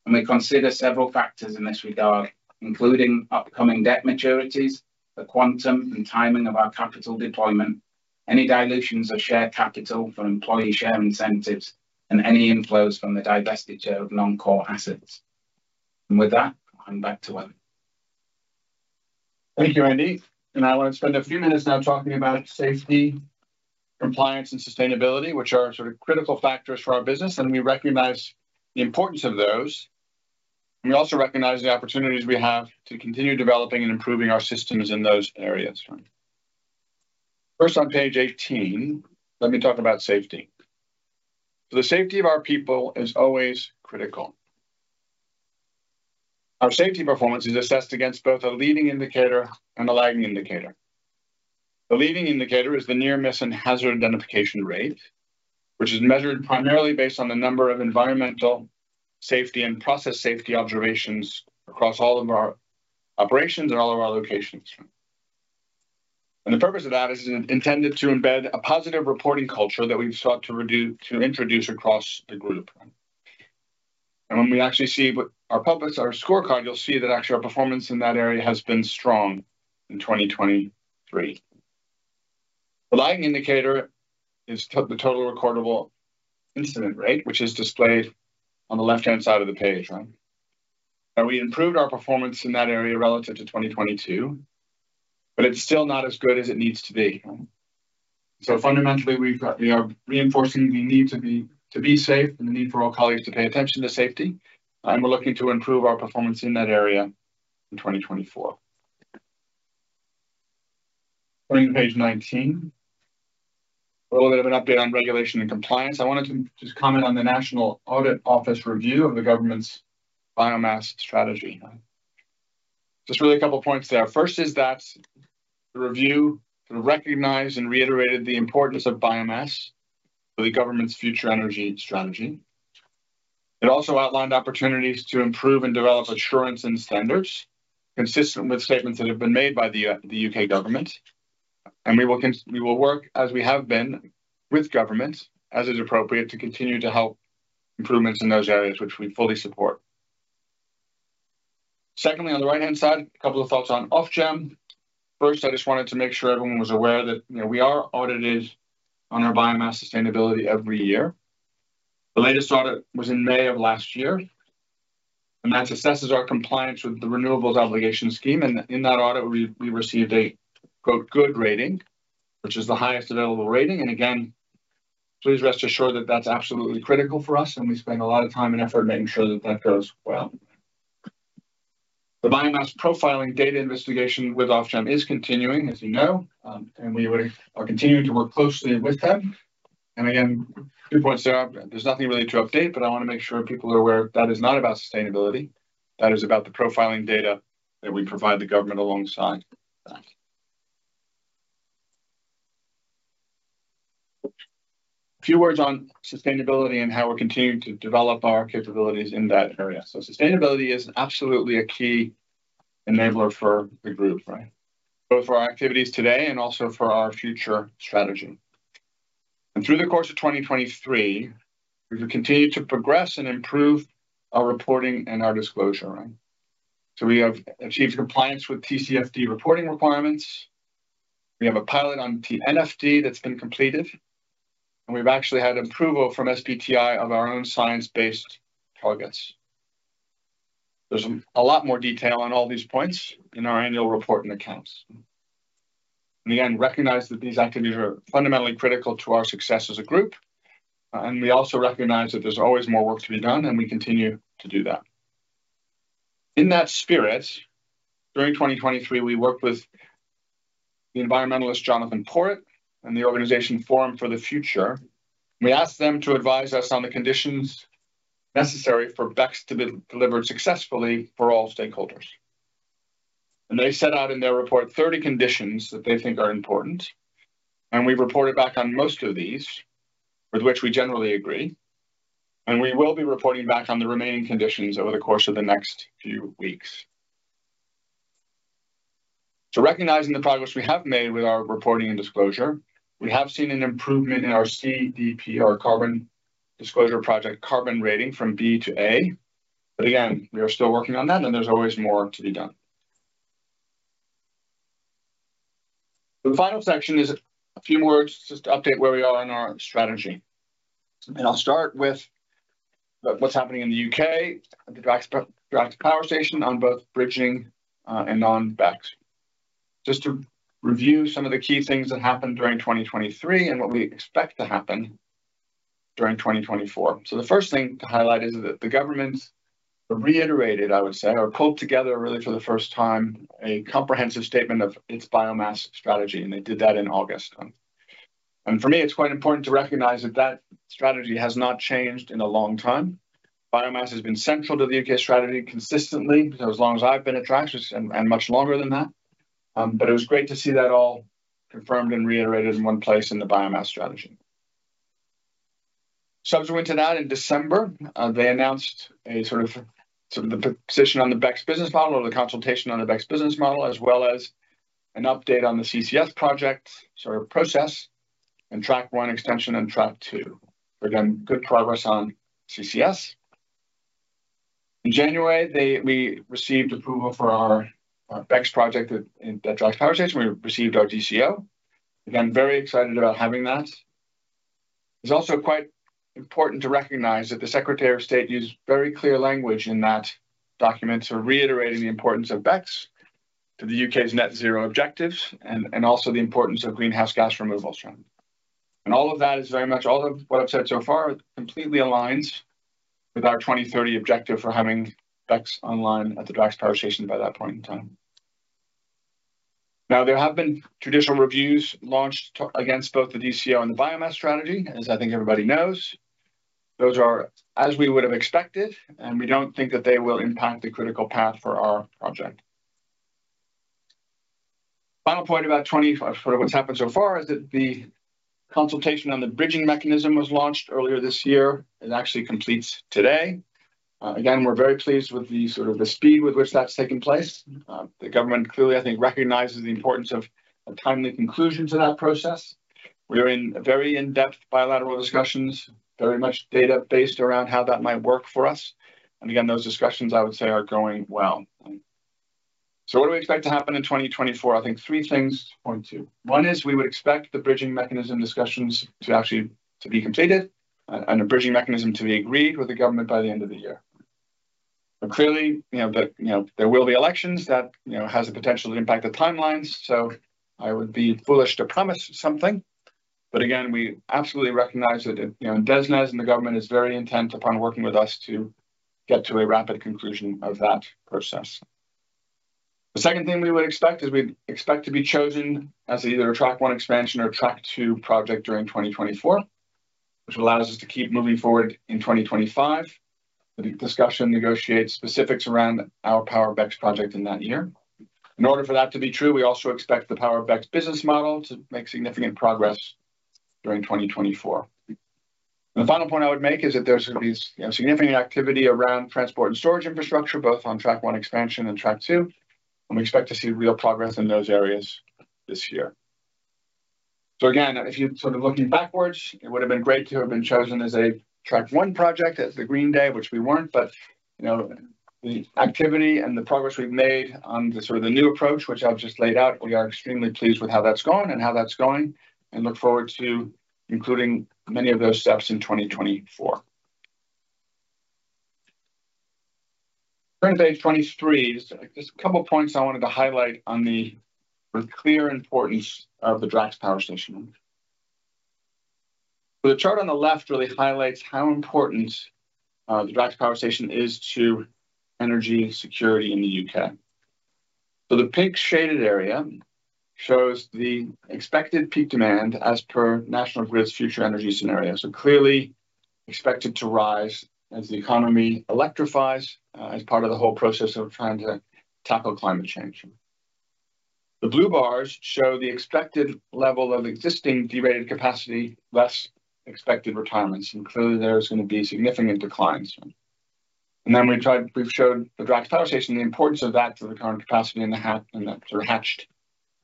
and we consider several factors in this regard, including upcoming debt maturities, the quantum and timing of our capital deployment, any dilutions of share capital for employee share incentives, and any inflows from the divestiture of non-core assets. And with that, I'll hand back to Will. Thank you, Andy. I want to spend a few minutes now talking about safety, compliance, and sustainability, which are sort of critical factors for our business, and we recognize the importance of those. We also recognize the opportunities we have to continue developing and improving our systems in those areas. First, on page 18, let me talk about safety. The safety of our people is always critical. Our safety performance is assessed against both a leading indicator and a lagging indicator. The leading indicator is the near-miss and hazard identification rate, which is measured primarily based on the number of environmental safety and process safety observations across all of our operations and all of our locations. The purpose of that is intended to embed a positive reporting culture that we've sought to introduce across the group. When we actually see our scorecard, you'll see that actually our performance in that area has been strong in 2023. The lagging indicator is the total recordable incident rate, which is displayed on the left-hand side of the page. We improved our performance in that area relative to 2022, but it's still not as good as it needs to be. Fundamentally, we are reinforcing the need to be safe and the need for all colleagues to pay attention to safety, and we're looking to improve our performance in that area in 2024. Turning to page 19, a little bit of an update on regulation and compliance. I wanted to just comment on the National Audit Office review of the government's biomass strategy. Just really a couple of points there. First is that the review sort of recognized and reiterated the importance of biomass for the government's future energy strategy. It also outlined opportunities to improve and develop assurance and standards consistent with statements that have been made by the UK government. We will work as we have been with governments, as it's appropriate, to continue to help improvements in those areas, which we fully support. Secondly, on the right-hand side, a couple of thoughts on Ofgem. First, I just wanted to make sure everyone was aware that we are audited on our biomass sustainability every year. The latest audit was in May of last year, and that assesses our compliance with the Renewables Obligation scheme. In that audit, we received a, quote, "good rating," which is the highest available rating. Again, please rest assured that that's absolutely critical for us, and we spend a lot of time and effort making sure that that goes well. The biomass profiling data investigation with Ofgem is continuing, as you know, and we are continuing to work closely with them. Again, two points there. There's nothing really to update, but I want to make sure people are aware that is not about sustainability. That is about the profiling data that we provide the government alongside that. A few words on sustainability and how we're continuing to develop our capabilities in that area. Sustainability is absolutely a key enabler for the group, both for our activities today and also for our future strategy. Through the course of 2023, we've continued to progress and improve our reporting and our disclosure. We have achieved compliance with TCFD reporting requirements. We have a pilot on NFRD that's been completed, and we've actually had approval from SBTi of our own science-based targets. There's a lot more detail on all these points in our annual report and accounts. Again, recognize that these activities are fundamentally critical to our success as a group, and we also recognize that there's always more work to be done, and we continue to do that. In that spirit, during 2023, we worked with the environmentalist Jonathan Porritt and the organisation Forum for the Future. We asked them to advise us on the conditions necessary for BECCS to be delivered successfully for all stakeholders. They set out in their report 30 conditions that they think are important, and we've reported back on most of these, with which we generally agree, and we will be reporting back on the remaining conditions over the course of the next few weeks. Recognizing the progress we have made with our reporting and disclosure, we have seen an improvement in our CDP, our Carbon Disclosure Project carbon rating, from B to A. But again, we are still working on that, and there's always more to be done. The final section is a few words just to update where we are in our strategy. I'll start with what's happening in the UK at the Drax Power Station on both bridging and on BECCS, just to review some of the key things that happened during 2023 and what we expect to happen during 2024. The first thing to highlight is that the government reiterated, I would say, or pulled together really for the first time a comprehensive statement of its biomass strategy, and they did that in August. For me, it's quite important to recognize that that strategy has not changed in a long time. Biomass has been central to the U.K. strategy consistently for as long as I've been at Drax, and much longer than that. It was great to see that all confirmed and reiterated in one place in the biomass strategy. Subsequent to that, in December, they announced a sort of the position on the BECCS business model, or the consultation on the BECCS business model, as well as an update on the CCS project, sort of process, and Track 1 extension, and Track 2. Again, good progress on CCS. In January, we received approval for our BECCS project at Drax Power Station. We received our DCO. Again, very excited about having that. It's also quite important to recognize that the Secretary of State used very clear language in that documents are reiterating the importance of BECCS to the U.K.'s net-zero objectives and also the importance of greenhouse gas removals. And all of that is very much all of what I've said so far completely aligns with our 2030 objective for having BECCS online at the Drax Power Station by that point in time. Now, there have been traditional reviews launched against both the DCO and the biomass strategy, as I think everybody knows. Those are as we would have expected, and we don't think that they will impact the critical path for our project. Final point about sort of what's happened so far is that the consultation on the bridging mechanism was launched earlier this year. It actually completes today. Again, we're very pleased with the sort of the speed with which that's taken place. The government clearly, I think, recognizes the importance of a timely conclusion to that process. We were in very in-depth bilateral discussions, very much data-based around how that might work for us. And again, those discussions, I would say, are going well. So what do we expect to happen in 2024? I think three things. Point two. One is we would expect the bridging mechanism discussions to actually be completed and a bridging mechanism to be agreed with the government by the end of the year. But clearly, there will be elections. That has the potential to impact the timelines. So I would be foolish to promise something. But again, we absolutely recognize that DESNZ and the government is very intent upon working with us to get to a rapid conclusion of that process. The second thing we would expect is we'd expect to be chosen as either a Track one expansion or a Track two project during 2024, which allows us to keep moving forward in 2025. The discussion negotiates specifics around our BECCS project in that year. In order for that to be true, we also expect the BECCS business model to make significant progress during 2024. And the final point I would make is that there's going to be significant activity around transport and storage infrastructure, both on Track one expansion and Track two, and we expect to see real progress in those areas this year. So again, if you're sort of looking backwards, it would have been great to have been chosen as a Track one project at the Green Day, which we weren't. But the activity and the progress we've made on sort of the new approach, which I've just laid out, we are extremely pleased with how that's gone and how that's going and look forward to including many of those steps in 2024. Turning to page 23, just a couple of points I wanted to highlight on the sort of clear importance of the Drax Power Station. So the chart on the left really highlights how important the Drax Power Station is to energy security in the U.K. So the pink shaded area shows the expected peak demand as per National Grid's future energy scenario. Clearly expected to rise as the economy electrifies as part of the whole process of trying to tackle climate change. The blue bars show the expected level of existing derated capacity, less expected retirements. Clearly, there's going to be significant declines. Then we've showed the Drax Power Station, the importance of that to the current capacity in the hatched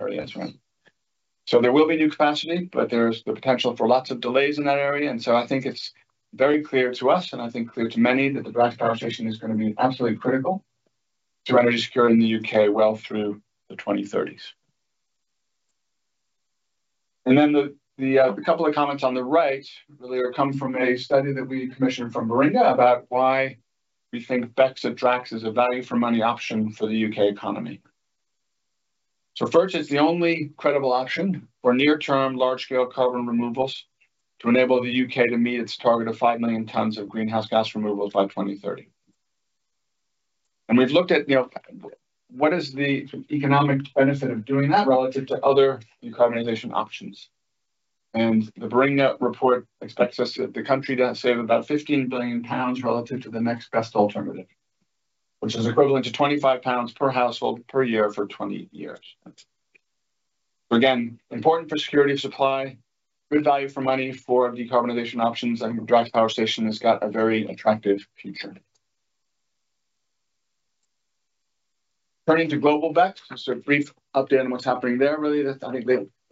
areas. So there will be new capacity, but there's the potential for lots of delays in that area. I think it's very clear to us, and I think clear to many, that the Drax Power Station is going to be absolutely critical to energy security in the U.K. well through the 2030s. Then the couple of comments on the right really come from a study that we commissioned from Beringa about why we think BECCS at Drax is a value-for-money option for the U.K. economy. So first, it's the only credible option for near-term large-scale carbon removals to enable the U.K. to meet its target of five million tonnes of greenhouse gas removals by 2030. And we've looked at what is the economic benefit of doing that relative to other decarbonization options. And the Beringa report expects us, the country, to save about 15 billion pounds relative to the next best alternative, which is equivalent to 25 pounds per household per year for 20 years. So again, important for security of supply, good value-for-money for decarbonization options. I think the Drax Power Station has got a very attractive future. Turning to Global BECCS, just a brief update on what's happening there, really. I think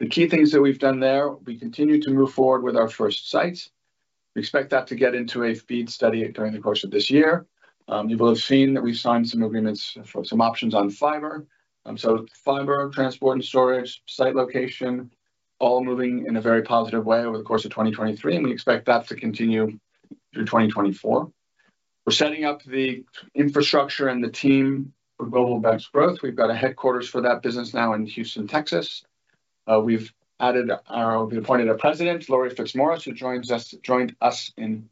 the key things that we've done there, we continue to move forward with our first sites. We expect that to get into a FEED study during the course of this year. You will have seen that we've signed some agreements for some options on fiber. So fiber, transport and storage, site location, all moving in a very positive way over the course of 2023, and we expect that to continue through 2024. We're setting up the infrastructure and the team for Global BECCS growth. We've got a headquarters for that business now in Houston, Texas. We've appointed a president, Laurie Fitzmaurice, who joined us in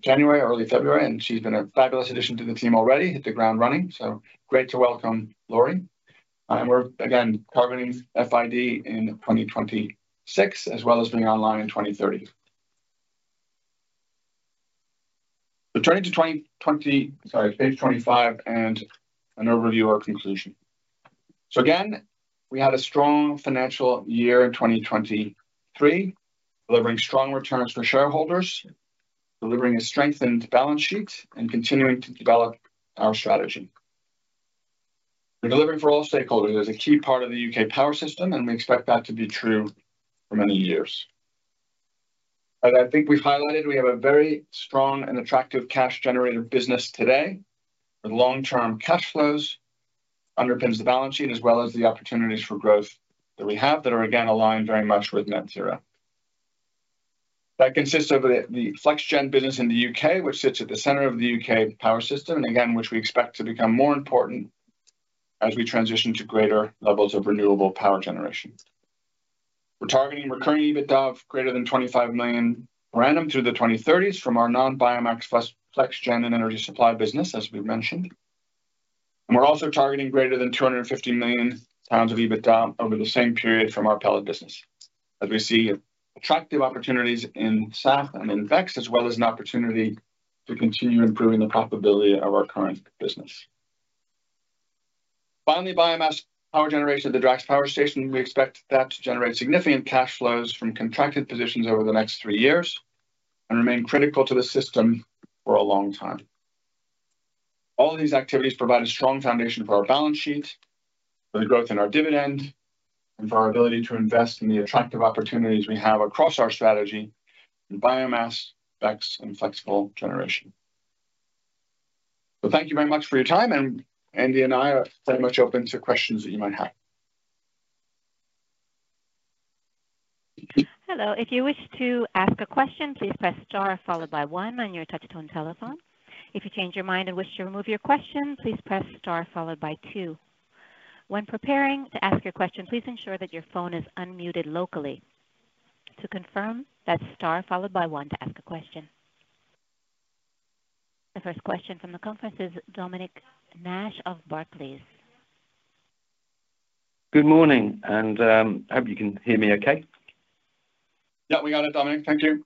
January, early February, and she's been a fabulous addition to the team already, hit the ground running. So great to welcome Laurie. And we're, again, targeting FID in 2026, as well as being online in 2030. Turning to page 25 and an overview or conclusion. Again, we had a strong financial year in 2023, delivering strong returns for shareholders, delivering a strengthened balance sheet, and continuing to develop our strategy. We're delivering for all stakeholders. It's a key part of the U.K. power system, and we expect that to be true for many years. As I think we've highlighted, we have a very strong and attractive cash-generator business today with long-term cash flows underpins the balance sheet, as well as the opportunities for growth that we have that are, again, aligned very much with Net Zero. That consists of the FlexGen business in the U.K., which sits at the center of the U.K. power system, and again, which we expect to become more important as we transition to greater levels of renewable power generation. We're targeting recurring EBITDA of greater than 25 million per annum through the 2030s from our non-biomass FlexGen and energy supply business, as we've mentioned. We're also targeting greater than 250 million pounds of EBITDA over the same period from our pellet business, as we see attractive opportunities in SAF and in BECCS, as well as an opportunity to continue improving the profitability of our current business. Finally, biomass power generation at the Drax Power Station, we expect that to generate significant cash flows from contracted positions over the next three years and remain critical to the system for a long time. All of these activities provide a strong foundation for our balance sheet, for the growth in our dividend, and for our ability to invest in the attractive opportunities we have across our strategy in biomass, BECCS, and flexible generation. So thank you very much for your time, and Andy and I are very much open to questions that you might have. Hello. If you wish to ask a question, please press star followed by one on your touch-tone telephone. If you change your mind and wish to remove your question, please press star followed by two. When preparing to ask your question, please ensure that your phone is unmuted locally. To confirm, that's star followed by one to ask a question. The first question from the conference is Dominic Nash of Barclays. Good morning. And I hope you can hear me okay. Yeah, we got it, Dominic. Thank you.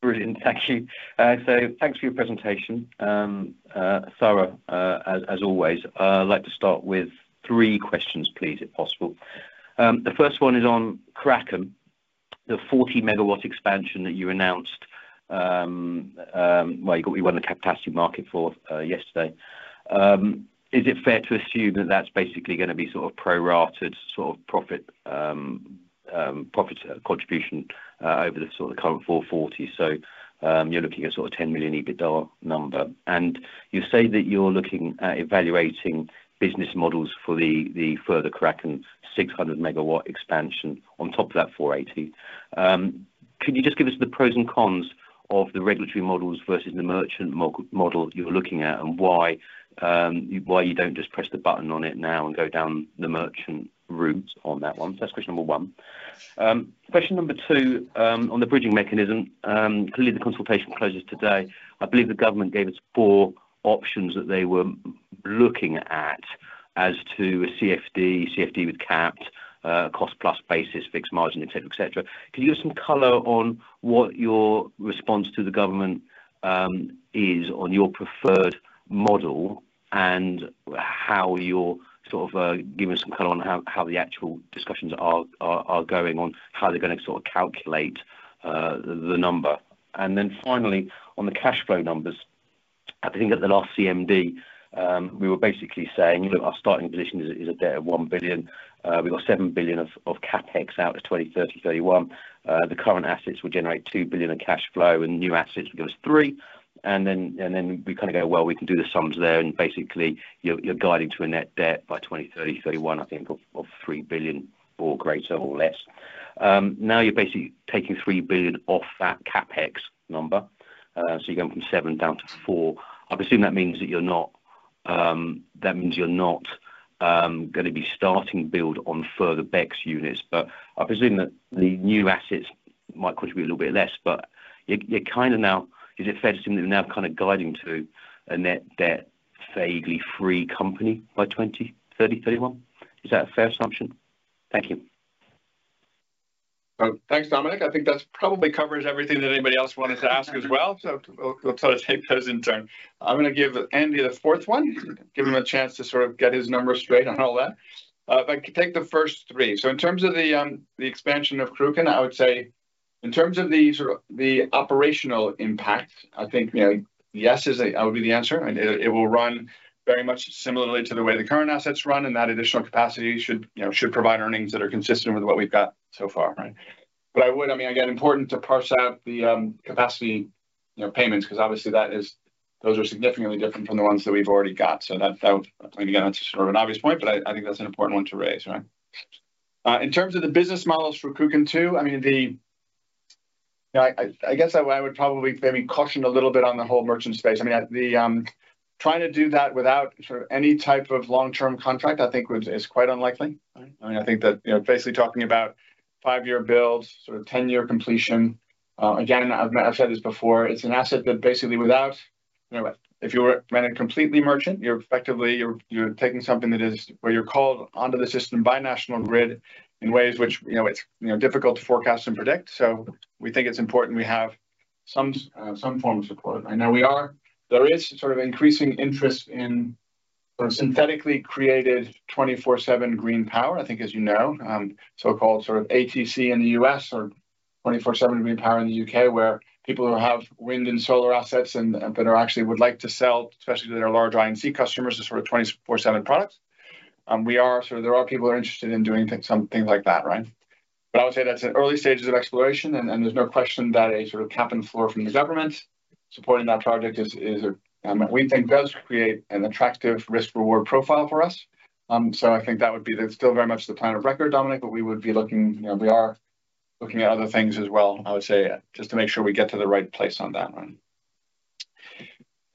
Brilliant. Thank you. So thanks for your presentation, Sarah, as always. I'd like to start with three questions, please, if possible. The first one is on Cruachan: the 40-MW expansion that you announced well, you won the capacity market for yesterday. Is it fair to assume that that's basically going to be sort of prorated sort of profit contribution over the sort of current 440? So you're looking at sort of a 10 million EBITDA number. And you say that you're looking at evaluating business models for the further Cruachan 600-MW expansion on top of that 480. Could you just give us the pros and cons of the regulatory models versus the merchant model you're looking at and why you don't just press the button on it now and go down the merchant route on that one? So that's question number one. Question number two on the bridging mechanism. Clearly, the consultation closes today. I believe the government gave us four options that they were looking at as to a CFD, CFD with capped, cost-plus basis, fixed margin, etc., etc. Could you give us some color on what your response to the government is on your preferred model and how you're sort of giving us some color on how the actual discussions are going on, how they're going to sort of calculate the number? And then finally, on the cash flow numbers, I think at the last CMD, we were basically saying, "Look, our starting position is a debt of one billion. We've got seven billion of CapEx out to 2030/31. The current assets will generate two billion of cash flow, and new assets will give us three billion. And then we kind of go, "Well, we can do the sums there." And basically, you're guiding to a net debt by 2030/31, I think, of three billion or greater, or less. Now you're basically taking three billion off that CapEx number. So you're going from 7 billion down to four billion. I presume that means you're not going to be starting build on further BECCS units. But I presume that the new assets might contribute a little bit less. But you're kind of now; is it fair to assume that you're now kind of guiding to a net debt vaguely free company by 2030/31? Is that a fair assumption? Thank you. Thanks, Dominic. I think that probably covers everything that anybody else wanted to ask as well. So we'll sort of take those in turn. I'm going to give Andy the fourth one, give him a chance to sort of get his numbers straight on all that. But take the first three. So in terms of the expansion of Cruachan, I would say in terms of the sort of the operational impact, I think yes would be the answer. It will run very much similarly to the way the current assets run, and that additional capacity should provide earnings that are consistent with what we've got so far, right? But I mean, again, important to parse out the capacity payments because obviously, those are significantly different from the ones that we've already got. So again, that's sort of an obvious point, but I think that's an important one to raise, right? In terms of the business models for Cruachan two, I mean, I guess I would probably maybe caution a little bit on the whole merchant space. I mean, trying to do that without sort of any type of long-term contract, I think, is quite unlikely, right? I mean, I think that basically talking about 5-year build, sort of 10-year completion again, I've said this before, it's an asset that basically without if you ran it completely merchant, you're effectively taking something that is where you're called onto the system by National Grid in ways which it's difficult to forecast and predict. So we think it's important we have some form of support. I know there is sort of increasing interest in sort of synthetically created 24/7 green power, I think, as you know, so-called sort of RTC in the US or 24/7 green power in the UK, where people who have wind and solar assets but actually would like to sell, especially to their large I&C customers, the sort of 24/7 products. There are people who are interested in doing some things like that, right? But I would say that's in early stages of exploration, and there's no question that a sort of Cap and Floor from the government supporting that project is, we think, does create an attractive risk-reward profile for us. So I think that would be still very much the plan of record, Dominic, but we are looking at other things as well, I would say, just to make sure we get to the right place on that one.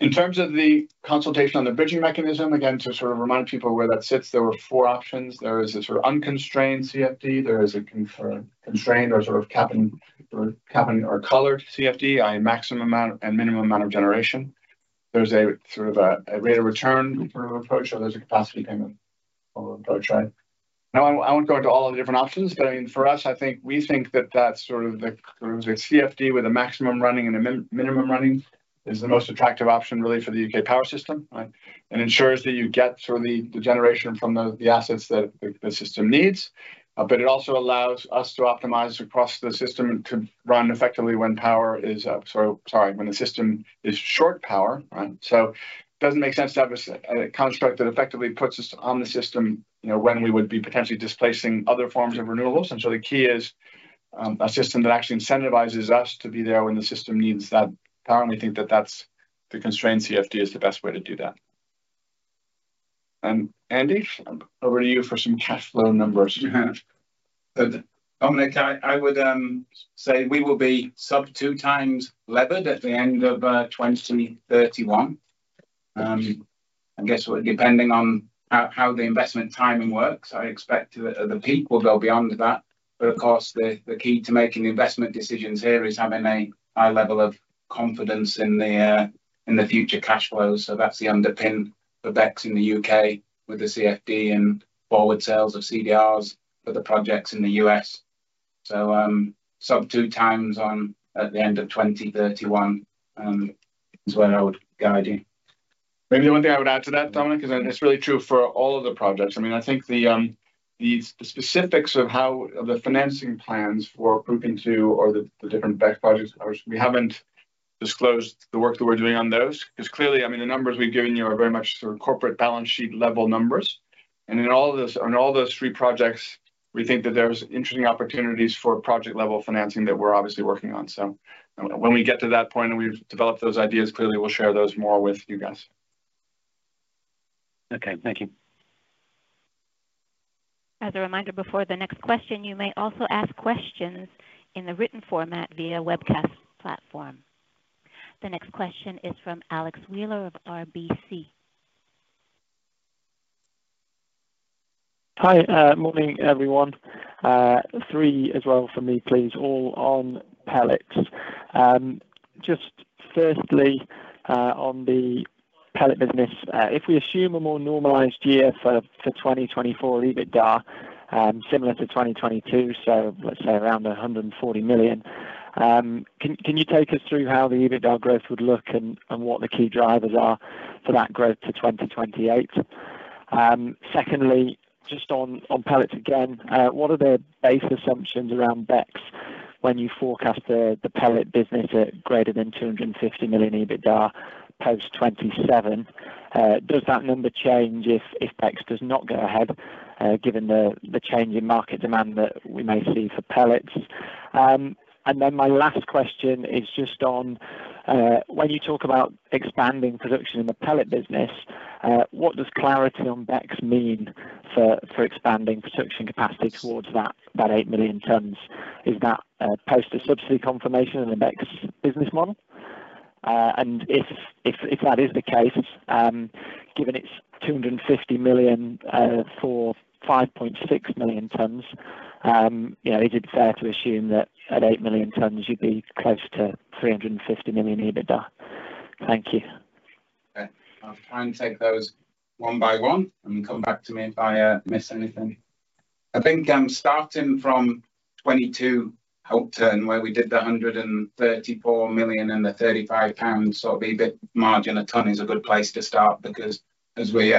In terms of the consultation on the bridging mechanism, again, to sort of remind people where that sits, there were four options. There is a sort of unconstrained CFD. There is a constrained or sort of capped or collared CFD, a maximum amount and minimum amount of generation. There's a sort of a rate of return sort of approach, or there's a capacity payment approach, right? Now, I won't go into all of the different options, but I mean, for us, I think we think that that's sort of the sort of a CFD with a maximum running and a minimum running is the most attractive option, really, for the U.K. power system, right, and ensures that you get sort of the generation from the assets that the system needs. But it also allows us to optimize across the system to run effectively when power is sort of sorry, when the system is short power, right? So it doesn't make sense to have a construct that effectively puts us on the system when we would be potentially displacing other forms of renewables. And so the key is a system that actually incentivises us to be there when the system needs that power. And we think that that's the constrained CFD is the best way to do that. Andy, over to you for some cash flow numbers. Dominic, I would say we will be sub-2x levered at the end of 2031, I guess, depending on how the investment timing works. I expect the peak will go beyond that. But of course, the key to making investment decisions here is having a high level of confidence in the future cash flows. So that's the underpin for BECCS in the UK with the CFD and forward sales of CDRs for the projects in the US. So sub-2x at the end of 2031 is where I would guide you. Maybe the only thing I would add to that, Dominic, is that it's really true for all of the projects. I mean, I think the specifics of the financing plans for Cruachan two or the different BECCS projects we haven't disclosed the work that we're doing on those because clearly, I mean, the numbers we've given you are very much sort of corporate balance sheet-level numbers. And in all those three projects, we think that there's interesting opportunities for project-level financing that we're obviously working on. So when we get to that point and we've developed those ideas, clearly, we'll share those more with you guys. Okay. Thank you. As a reminder, before the next question, you may also ask questions in the written format via webcast platform. The next question is from Alex Wheeler of RBC. Hi. Morning, everyone. Three as well for me, please, all on pellets. Just firstly, on the pellet business, if we assume a more normalised year for 2024 EBITDA, similar to 2022, so let's say around 140 million, can you take us through how the EBITDA growth would look and what the key drivers are for that growth to 2028? Secondly, just on pellets again, what are the base assumptions around BECCS when you forecast the pellet business at greater than 250 million EBITDA post-2027? Does that number change if BECCS does not go ahead given the change in market demand that we may see for pellets? And then my last question is just on when you talk about expanding production in the pellet business, what does clarity on BECCS mean for expanding production capacity towards that 8 million tons? Is that post a subsidy confirmation in the BECCS business model? If that is the case, given it's 250 million for 5.6 million tonnes, is it fair to assume that at eight million tonnes, you'd be close to 350 million EBITDA? Thank you. Okay. I'll try and take those one by one and come back to me if I miss anything. I think starting from 2022 helped turn, where we did the 134 million and the 35 pounds sort of EBIT margin a ton is a good place to start because, as we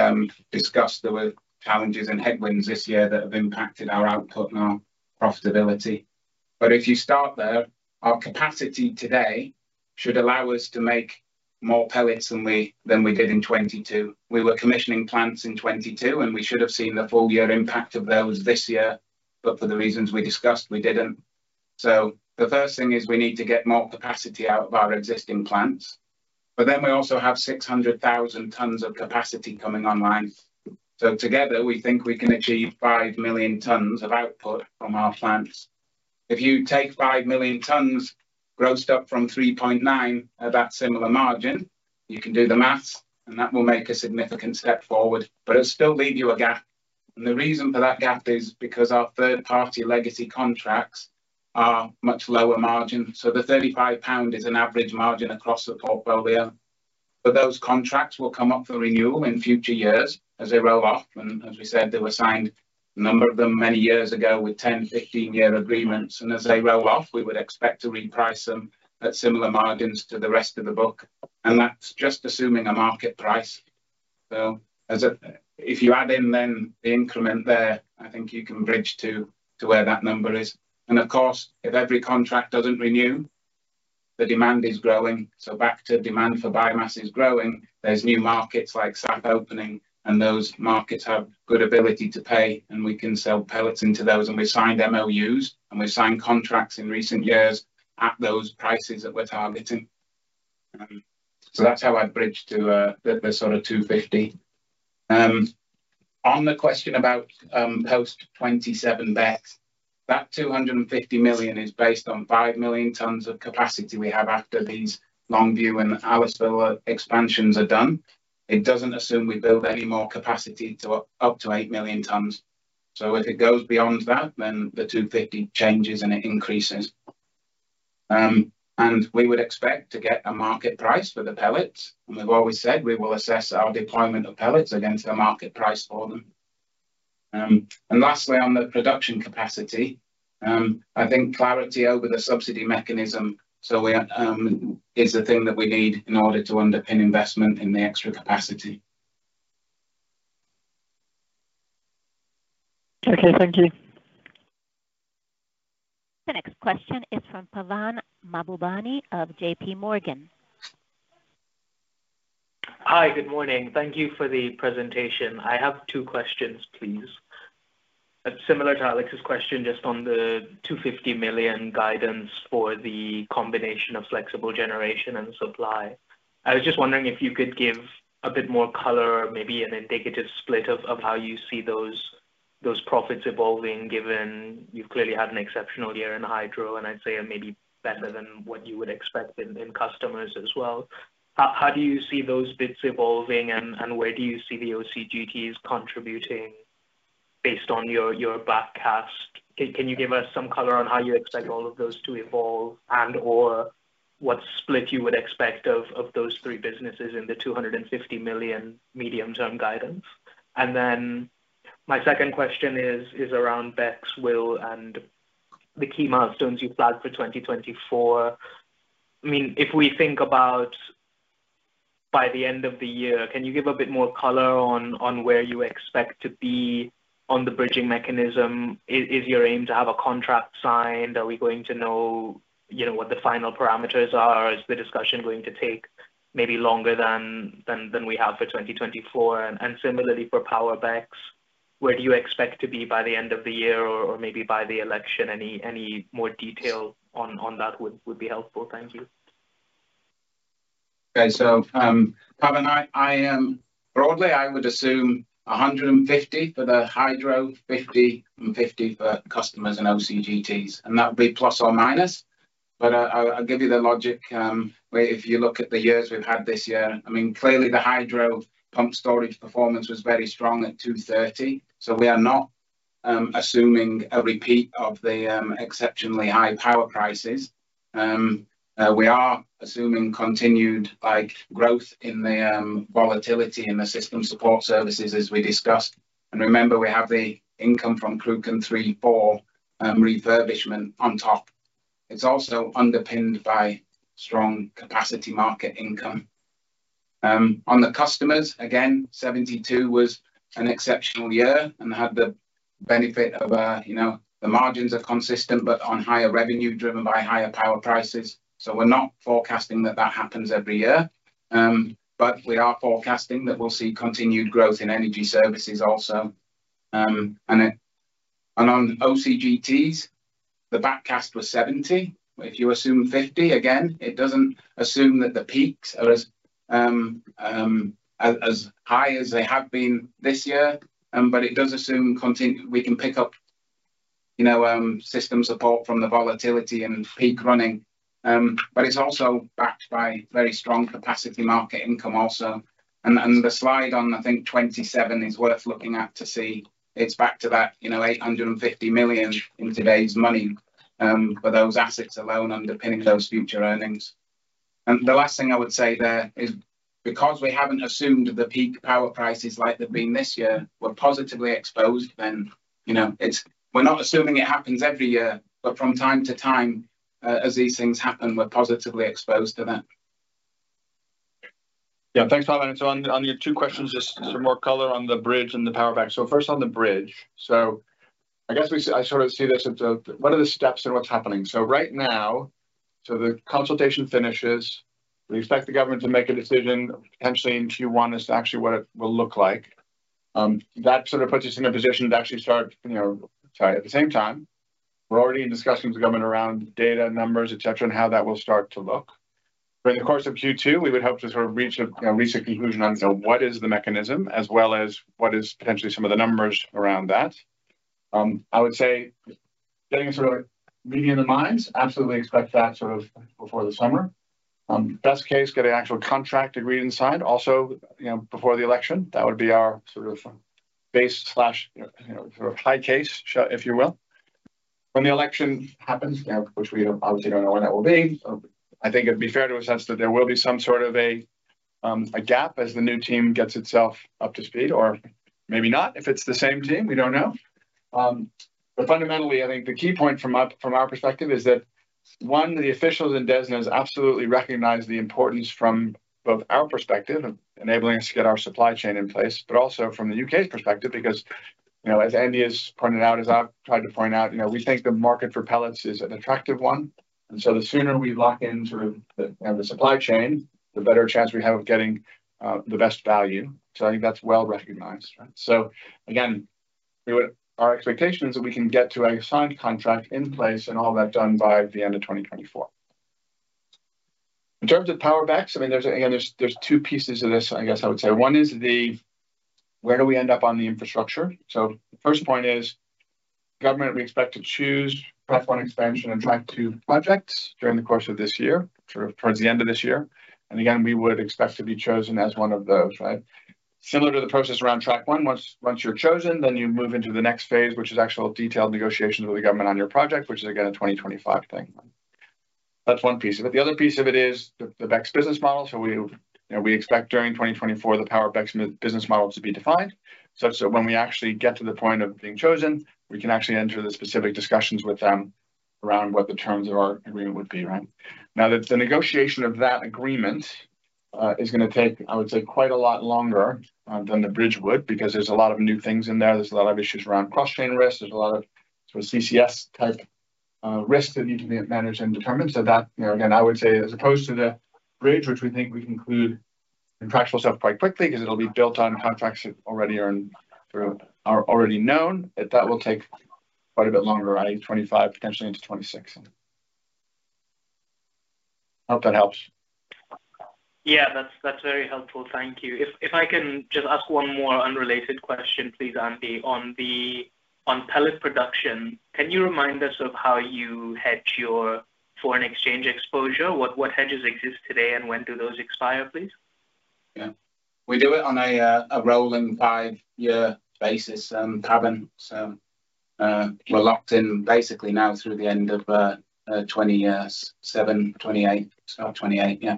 discussed, there were challenges and headwinds this year that have impacted our output and our profitability. But if you start there, our capacity today should allow us to make more pellets than we did in 2022. We were commissioning plants in 2022, and we should have seen the full-year impact of those this year. But for the reasons we discussed, we didn't. The first thing is we need to get more capacity out of our existing plants. But then we also have 600,000 tons of capacity coming online. So together, we think we can achieve five million tons of output from our plants. If you take five million tons grossed up from 3.9 at that similar margin, you can do the math, and that will make a significant step forward, but it'll still leave you a gap. And the reason for that gap is because our third-party legacy contracts are much lower margin. So the 35 pound is an average margin across the portfolio. But those contracts will come up for renewal in future years as they roll off. And as we said, there were signed a number of them many years ago with 10- and 15-year agreements. As they roll off, we would expect to reprice them at similar margins to the rest of the book. And that's just assuming a market price. So if you add in then the increment there, I think you can bridge to where that number is. And of course, if every contract doesn't renew, the demand is growing. So back to demand for biomass is growing. There's new markets like SAF opening, and those markets have good ability to pay. And we can sell pellets into those. And we signed MOUs, and we signed contracts in recent years at those prices that we're targeting. So that's how I'd bridge to the sort of 250 million. On the question about post-27 BECCS, that 250 million is based on five million tonnes of capacity we have after these Longview and Aliceville expansions are done. It doesn't assume we build any more capacity up to eight million tonnes. So if it goes beyond that, then the 250 changes, and it increases. And we would expect to get a market price for the pellets. And we've always said we will assess our deployment of pellets against a market price for them. And lastly, on the production capacity, I think clarity over the subsidy mechanism is the thing that we need in order to underpin investment in the extra capacity. Okay. Thank you. The next question is from Pavan Mahbubani of JP Morgan. Hi. Good morning. Thank you for the presentation. I have two questions, please, similar to Alex's question, just on the 250 million guidance for the combination of flexible generation and supply. I was just wondering if you could give a bit more color, maybe an indicative split of how you see those profits evolving given you've clearly had an exceptional year in hydro, and I'd say maybe better than what you would expect in customers as well. How do you see those bits evolving, and where do you see the OCGTs contributing based on your backcast? Can you give us some color on how you expect all of those to evolve and/or what split you would expect of those three businesses in the 250 million medium-term guidance? And then my second question is around BECCS, Will, and the key milestones you've flagged for 2024. I mean, if we think about by the end of the year, can you give a bit more color on where you expect to be on the bridging mechanism? Is your aim to have a contract signed? Are we going to know what the final parameters are? Is the discussion going to take maybe longer than we have for 2024? And similarly, for Power BECCS, where do you expect to be by the end of the year or maybe by the election? Any more detail on that would be helpful. Thank you. Okay. So Pavan, broadly, I would assume 150 for the hydro, 50, and 50 for customers and OCGTs. And that would be ±. But I'll give you the logic. If you look at the years we've had this year, I mean, clearly, the hydro pumped storage performance was very strong at 230. So we are not assuming a repeat of the exceptionally high power prices. We are assuming continued growth in the volatility in the system support services as we discussed. And remember, we have the income from Cruachan 3/4 refurbishment on top. It's also underpinned by strong capacity market income. On the customers, again, 2023 was an exceptional year and had the benefit of the margins are consistent but on higher revenue driven by higher power prices. So we're not forecasting that that happens every year. But we are forecasting that we'll see continued growth in energy services also. And on OCGTs, the backcast was 70. If you assume 50, again, it doesn't assume that the peaks are as high as they have been this year. But it does assume we can pick up system support from the volatility and peak running. But it's also backed by very strong capacity market income also. And the slide on, I think, 2027 is worth looking at to see. It's back to that 850 million in today's money for those assets alone underpinning those future earnings. And the last thing I would say there is because we haven't assumed the peak power prices like they've been this year, we're positively exposed then. We're not assuming it happens every year, but from time to time, as these things happen, we're positively exposed to that. Yeah. Thanks, Pavan. And so on your two questions, just some more color on the bridge and the power BECCS. So first, on the bridge. So I guess I sort of see this as what are the steps and what's happening? So right now, so the consultation finishes. We expect the government to make a decision potentially in Q1 as to actually what it will look like. That sort of puts us in a position to actually start sorry, at the same time, we're already in discussion with the government around data, numbers, etc., and how that will start to look. During the course of Q2, we would hope to sort of reach a recent conclusion on what is the mechanism as well as what is potentially some of the numbers around that. I would say getting a sort of meeting in the minds, absolutely expect that sort of before the summer. Best case, get an actual contract agreed inside also before the election. That would be our sort of base/slash sort of high case, if you will. When the election happens, which we obviously don't know when that will be, I think it'd be fair to assess that there will be some sort of a gap as the new team gets itself up to speed or maybe not. If it's the same team, we don't know. But fundamentally, I think the key point from our perspective is that, one, the officials in DESNZ absolutely recognise the importance from both our perspective, enabling us to get our supply chain in place, but also from the U.K.'s perspective because, as Andy has pointed out, as I've tried to point out, we think the market for pellets is an attractive one. And so the sooner we lock in sort of the supply chain, the better chance we have of getting the best value. So I think that's well recognised, right? So again, our expectation is that we can get to a signed contract in place and all that done by the end of 2024. In terms of power BECCS, I mean, again, there's two pieces of this, I guess I would say. One is where do we end up on the infrastructure? So the first point is government, we expect to choose Track 1 expansion and Track two projects during the course of this year, sort of towards the end of this year. And again, we would expect to be chosen as one of those, right? Similar to the process around Track one, once you're chosen, then you move into the next phase, which is actual detailed negotiations with the government on your project, which is again a 2025 thing. That's one piece of it. The other piece of it is the BECCS business model. So we expect during 2024, the power BECCS business model to be defined such that when we actually get to the point of being chosen, we can actually enter the specific discussions with them around what the terms of our agreement would be, right? Now, the negotiation of that agreement is going to take, I would say, quite a lot longer than the bridge would because there's a lot of new things in there. There's a lot of issues around cross-chain risk. There's a lot of sort of CCS-type risks that need to be managed and determined. So that, again, I would say, as opposed to the bridge, which we think we can include contractual stuff quite quickly because it'll be built on contracts that already are known, that will take quite a bit longer, i.e., 2025 potentially into 2026. I hope that helps. Yeah. That's very helpful. Thank you. If I can just ask one more unrelated question, please, Andy, on pellet production, can you remind us of how you hedge your foreign exchange exposure? What hedges exist today, and when do those expire, please? Yeah. We do it on a rolling five-year basis, Pavan. So we're locked in basically now through the end of 2027, 2028. So 2028, yeah.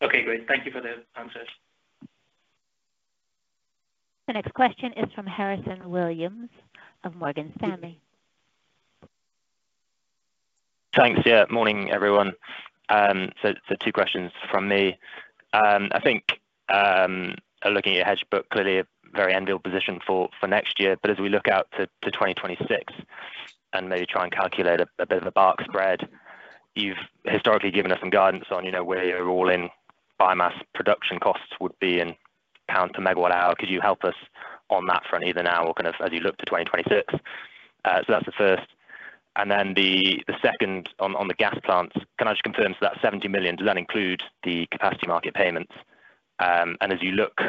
Okay. Great. Thank you for the answers. The next question is from Harrison Williams of Morgan Stanley. Thanks. Yeah. Morning, everyone. So two questions from me. I think looking at your hedge book, clearly, a very enviable position for next year. But as we look out to 2026 and maybe try and calculate a bit of a barkspread, you've historically given us some guidance on where your all-in biomass production costs would be in pounds per megawatt-hour. Could you help us on that front either now or kind of as you look to 2026? So that's the first. And then the second on the gas plants, can I just confirm, so that 70 million, does that include the capacity market payments? As you look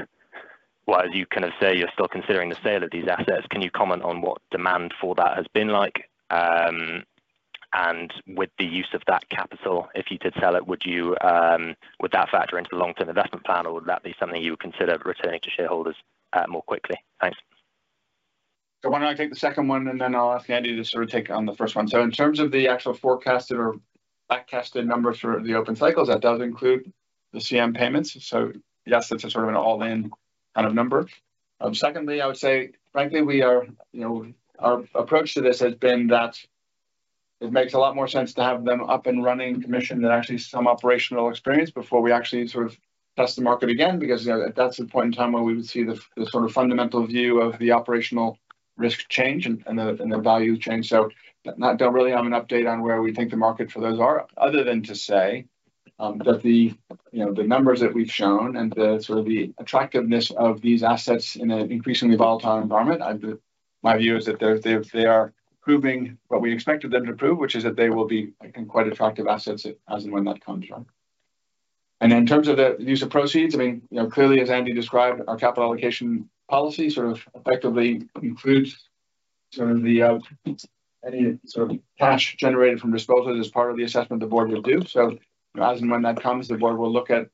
well, as you kind of say you're still considering the sale of these assets, can you comment on what demand for that has been like? And with the use of that capital, if you did sell it, would that factor into the long-term investment plan, or would that be something you would consider returning to shareholders more quickly? Thanks. Why don't I take the second one, and then I'll ask Andy to sort of take on the first one. In terms of the actual forecasted or backcasted numbers for the open cycles, that does include the CM payments. Yes, it's sort of an all-in kind of number. Secondly, I would say, frankly, our approach to this has been that it makes a lot more sense to have them up and running, commission, than actually some operational experience before we actually sort of test the market again because that's the point in time where we would see the sort of fundamental view of the operational risk change and the value change. So don't really have an update on where we think the market for those are other than to say that the numbers that we've shown and sort of the attractiveness of these assets in an increasingly volatile environment, my view is that they are proving what we expected them to prove, which is that they will be quite attractive assets as and when that comes, right? Then in terms of the use of proceeds, I mean, clearly, as Andy described, our capital allocation policy sort of effectively includes sort of any sort of cash generated from disposal as part of the assessment the board will do. So as and when that comes, the board will look at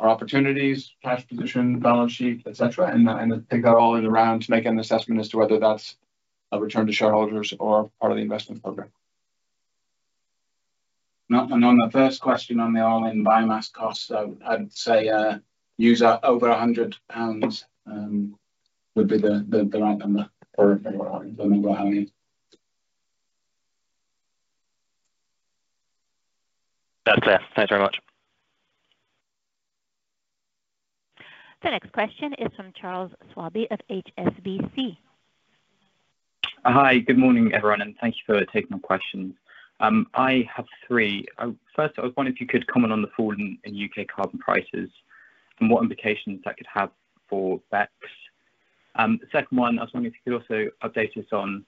our opportunities, cash position, balance sheet, etc., and take that all in around to make an assessment as to whether that's a return to shareholders or part of the investment program. And on the first question on the all-in biomass costs, I'd say use over 100 pounds would be the right number for the megawatt-hours. That's fair. Thanks very much. The next question is from Charles Swabe of HSBC. Hi. Good morning, everyone, and thank you for taking my questions. I have three. First, I was wondering if you could comment on the fall in UK carbon prices and what implications that could have for BECCS. Second one, I was wondering if you could also update us on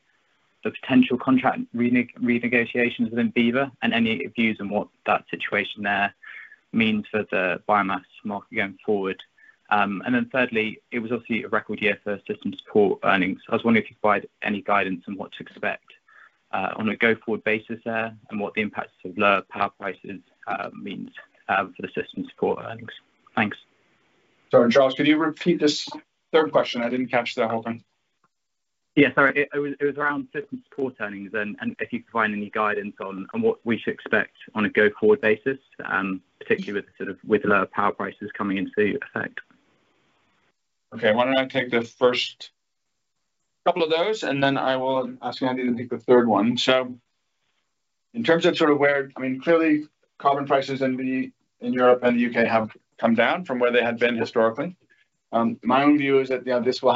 the potential contract renegotiations within Enviva and any views on what that situation there means for the biomass market going forward. And then thirdly, it was obviously a record year for system support earnings. I was wondering if you provide any guidance on what to expect on a go-forward basis there and what the impact of lower power prices means for the system support earnings. Thanks. Sorry, Charles. Could you repeat this third question? I didn't catch that whole thing. Yeah. Sorry. It was around system support earnings and if you could provide any guidance on what we should expect on a go-forward basis, particularly with sort of lower power prices coming into effect. Okay. Why don't I take the first couple of those, and then I will ask Andy to take the third one. So in terms of sort of where I mean, clearly, carbon prices in Europe and the U.K. have come down from where they had been historically. My own view is that these will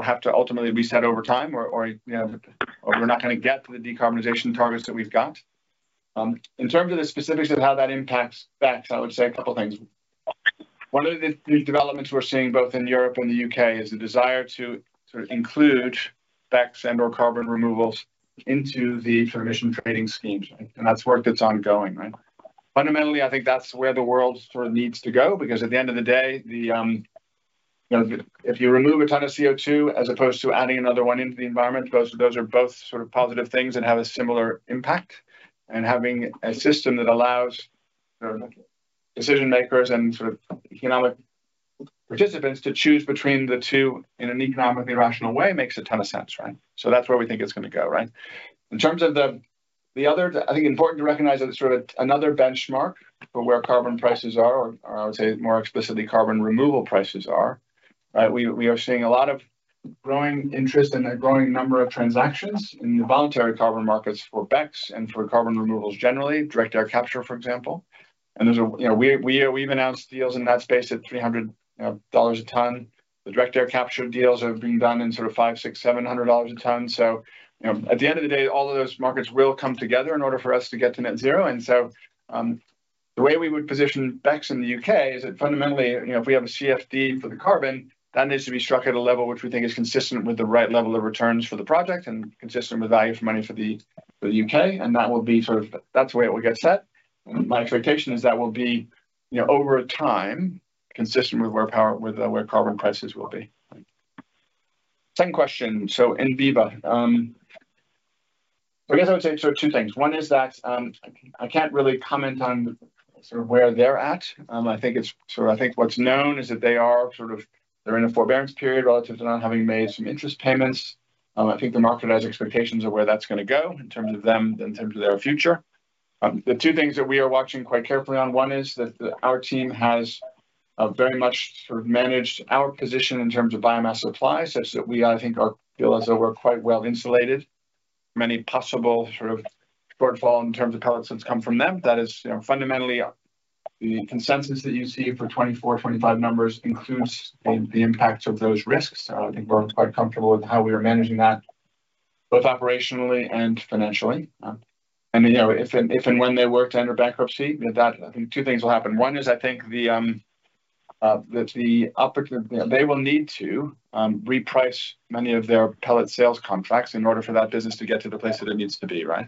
have to ultimately reset over time, or we're not going to get to the decarbonization targets that we've got. In terms of the specifics of how that impacts BECCS, I would say a couple of things. One of the developments we're seeing both in Europe and the U.K. is the desire to sort of include BECCS and/or carbon removals into the emissions trading schemes, right? And that's work that's ongoing, right? Fundamentally, I think that's where the world sort of needs to go because at the end of the day, if you remove a ton of CO2 as opposed to adding another one into the environment, those are both sort of positive things and have a similar impact. And having a system that allows decision-makers and sort of economic participants to choose between the two in an economically rational way makes a ton of sense, right? So that's where we think it's going to go, right? In terms of the other I think important to recognize that sort of another benchmark for where carbon prices are, or I would say more explicitly, carbon removal prices are, right, we are seeing a lot of growing interest and a growing number of transactions in the voluntary carbon markets for BECCS and for carbon removals generally, direct air capture, for example. And we've announced deals in that space at $300 a tonne. The direct air capture deals are being done in sort of $500-$700 a tonne. So at the end of the day, all of those markets will come together in order for us to get to net zero. And so the way we would position BECCS in the UK is that fundamentally, if we have a CFD for the carbon, that needs to be struck at a level which we think is consistent with the right level of returns for the project and consistent with value for money for the UK. And that will be sort of that's the way it will get set. And my expectation is that will be over time consistent with where carbon prices will be, right? Second question. So in Enviva, I guess I would say sort of two things. One is that I can't really comment on sort of where they're at. I think it's sort of I think what's known is that they are sort of they're in a forbearance period relative to not having made some interest payments. I think the market has expectations of where that's going to go in terms of them and in terms of their future. The two things that we are watching quite carefully on, one is that our team has very much sort of managed our position in terms of biomass supply such that we, I think, feel as though we're quite well insulated from any possible sort of shortfall in terms of pellets that's come from them. That is fundamentally the consensus that you see for 2024, 2025 numbers includes the impacts of those risks. I think we're quite comfortable with how we are managing that, both operationally and financially. If and when they were to enter bankruptcy, I think two things will happen. One is I think that they will need to reprice many of their pellet sales contracts in order for that business to get to the place that it needs to be, right?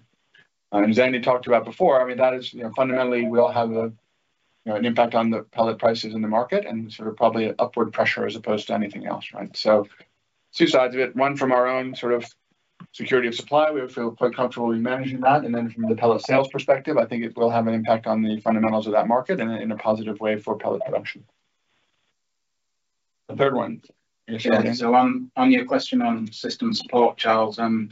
And as Andy talked about before, I mean, that is fundamentally, we all have an impact on the pellet prices in the market and sort of probably upward pressure as opposed to anything else, right? So two sides of it. One from our own sort of security of supply, we feel quite comfortable in managing that. And then from the pellet sales perspective, I think it will have an impact on the fundamentals of that market and in a positive way for pellet production. The third one. Yeah. So on your question on system support, Charles, it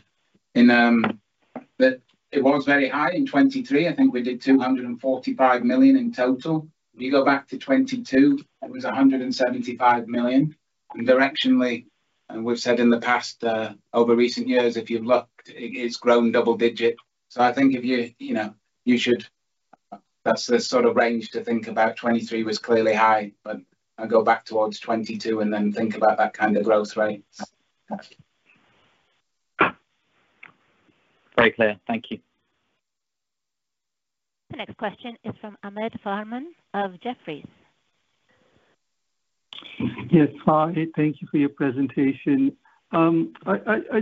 was very high in 2023. I think we did 245 million in total. When you go back to 2022, it was 175 million. And directionally, we've said in the past over recent years, if you've looked, it's grown double-digit. So I think if you should that's the sort of range to think about. 2023 was clearly high, but go back towards 2022 and then think about that kind of growth rate. Very clear. Thank you. The next question is from Ahmed Farman ofJefferies. Yes.Hi. Thank you for your presentation. I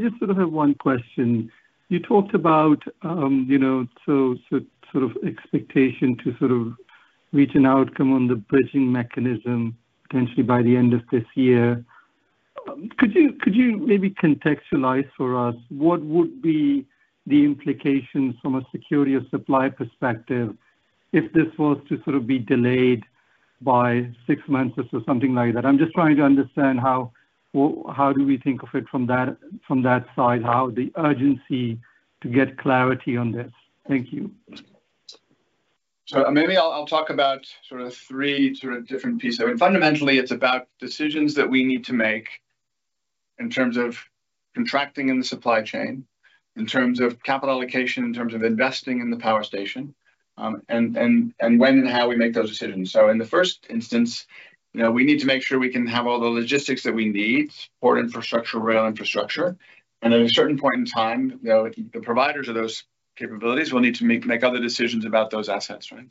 just sort of have one question. You talked about sort of expectation to sort of reach an outcome on the bridging mechanism potentially by the end of this year. Could you maybe contextualise for us what would be the implications from a security of supply perspective if this was to sort of be delayed by six months or something like that? I'm just trying to understand how do we think of it from that side, how the urgency to get clarity on this? Thank you. So maybe I'll talk about sort of three sort of different pieces. I mean, fundamentally, it's about decisions that we need to make in terms of contracting in the supply chain, in terms of capital allocation, in terms of investing in the power station, and when and how we make those decisions. So in the first instance, we need to make sure we can have all the logistics that we need, port infrastructure, rail infrastructure. And at a certain point in time, the providers of those capabilities will need to make other decisions about those assets, right?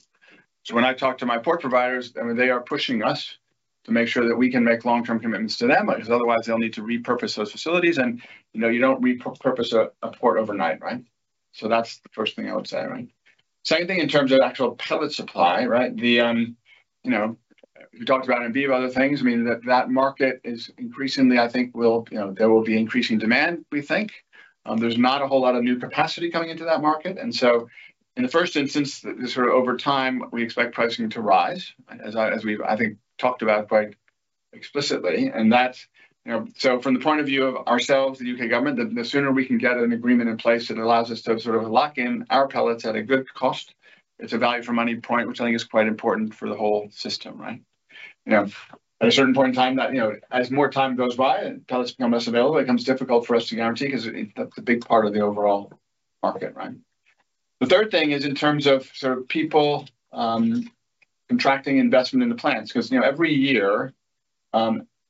So when I talk to my port providers, I mean, they are pushing us to make sure that we can make long-term commitments to them because otherwise, they'll need to repurpose those facilities. And you don't repurpose a port overnight, right? So that's the first thing I would say, right? Second thing, in terms of actual pellet supply, right, we talked about in Enviva other things. I mean, that market is increasingly. I think there will be increasing demand, we think. There's not a whole lot of new capacity coming into that market. And so in the first instance, sort of over time, we expect pricing to rise as we've, I think, talked about quite explicitly. So from the point of view of ourselves, the UK government, the sooner we can get an agreement in place that allows us to sort of lock in our pellets at a good cost, it's a value for money point, which I think is quite important for the whole system, right? At a certain point in time, as more time goes by and pellets become less available, it becomes difficult for us to guarantee because that's a big part of the overall market, right? The third thing is in terms of sort of people contracting investment in the plants because every year, let's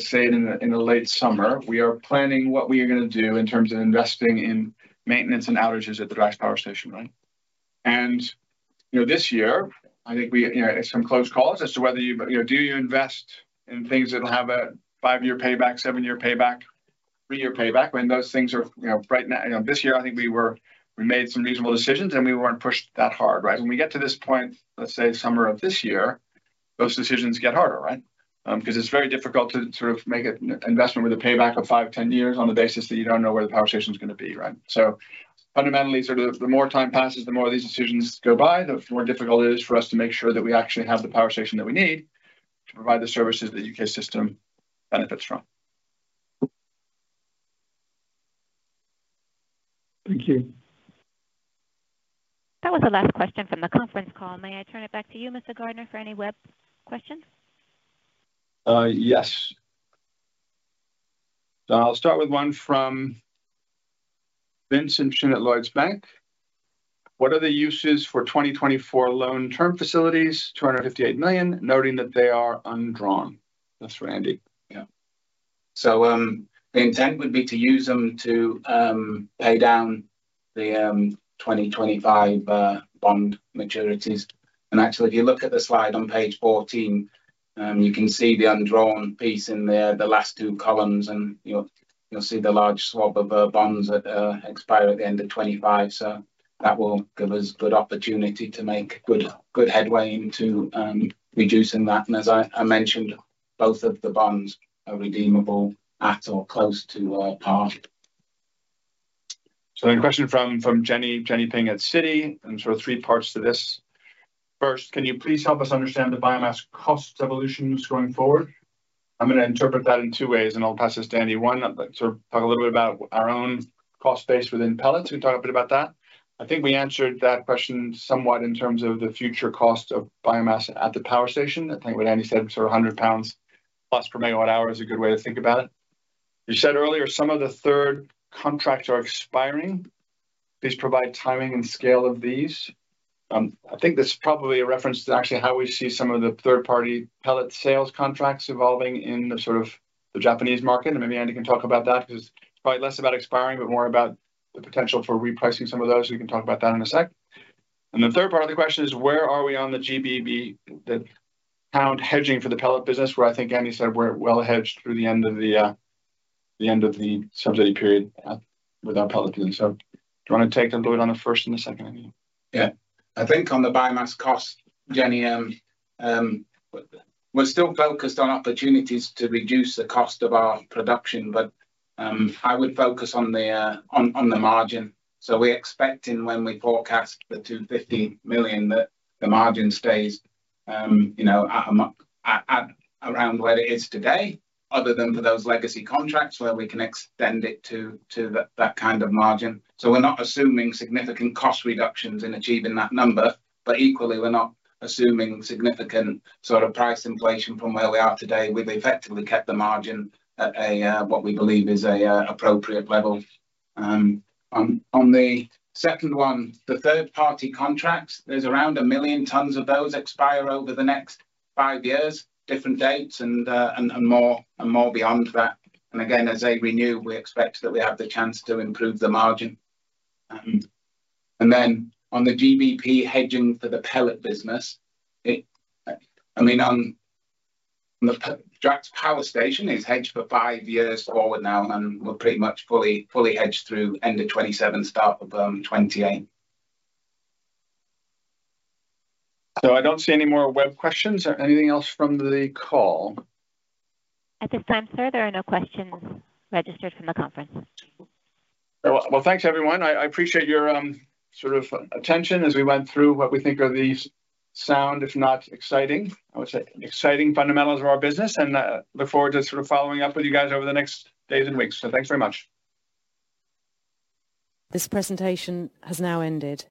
say in the late summer, we are planning what we are going to do in terms of investing in maintenance and outages at the Drax Power Station, right? This year, I think some close calls as to whether you do invest in things that'll have a five-year payback, seven-year payback, three-year payback when those things are right now. This year, I think we made some reasonable decisions, and we weren't pushed that hard, right? When we get to this point, let's say summer of this year, those decisions get harder, right, because it's very difficult to sort of make an investment with a payback of five-10 years on the basis that you don't know where the power station's going to be, right? Fundamentally, sort of the more time passes, the more of these decisions go by, the more difficult it is for us to make sure that we actually have the power station that we need to provide the services that the U.K. system benefits from. Thank you. That was the last question from the conference call. May I turn it back to you, Mr. Gardiner, for any web questions? Yes. So I'll start with one from Vincent Schmidt at Lloyds Bank. What are the uses for 2024 loan term facilities, 258 million, noting that they are undrawn? That's for Andy. Yeah. So the intent would be to use them to pay down the 2025 bond maturities. And actually, if you look at the slide on page 14, you can see the undrawn piece in the last two columns, and you'll see the large swath of bonds that expire at the end of 2025. So that will give us good opportunity to make good headway into reducing that. And as I mentioned, both of the bonds are redeemable at or close to par. So then a question from Jenny Ping at Citi and sort of three parts to this. First, can you please help us understand the biomass cost evolutions going forward? I'm going to interpret that in two ways, and I'll pass this to Andy. One, sort of talk a little bit about our own cost base within pellets. Can you talk a bit about that? I think we answered that question somewhat in terms of the future cost of biomass at the power station. I think what Andy said, sort of 100+ pounds per megawatt-hour is a good way to think about it. You said earlier some of the third contracts are expiring. Please provide timing and scale of these. I think this is probably a reference to actually how we see some of the third-party pellet sales contracts evolving in sort of the Japanese market. And maybe Andy can talk about that because it's probably less about expiring but more about the potential for repricing some of those. We can talk about that in a sec. And the third part of the question is, where are we on the GBP, the pound hedging for the pellet business, where I think Andy said we're well hedged through the end of the subsidy period with our pellet business? So do you want to take a little bit on the first and the second, Andy? Yeah. I think on the biomass cost, Jenny, we're still focused on opportunities to reduce the cost of our production, but I would focus on the margin. So we're expecting when we forecast the 250 million that the margin stays at around where it is today, other than for those legacy contracts where we can extend it to that kind of margin. So we're not assuming significant cost reductions in achieving that number, but equally, we're not assuming significant sort of price inflation from where we are today. We've effectively kept the margin at what we believe is an appropriate level. On the second one, the third-party contracts, there's around one million tonnes of those expire over the next five years, different dates, and more beyond that. And again, as they renew, we expect that we have the chance to improve the margin. And then on the GBP hedging for the pellet business, I mean, the Drax Power Station is hedged for five years forward now, and we're pretty much fully hedged through end of 2027, start of 2028. So I don't see any more web questions. Anything else from the call? At this time, sir, there are no questions registered from the conference. Well, thanks, everyone. I appreciate your sort of attention as we went through what we think are the sound, if not exciting, I would say, exciting fundamentals of our business. I look forward to sort of following up with you guys over the next days and weeks. Thanks very much. This presentation has now ended.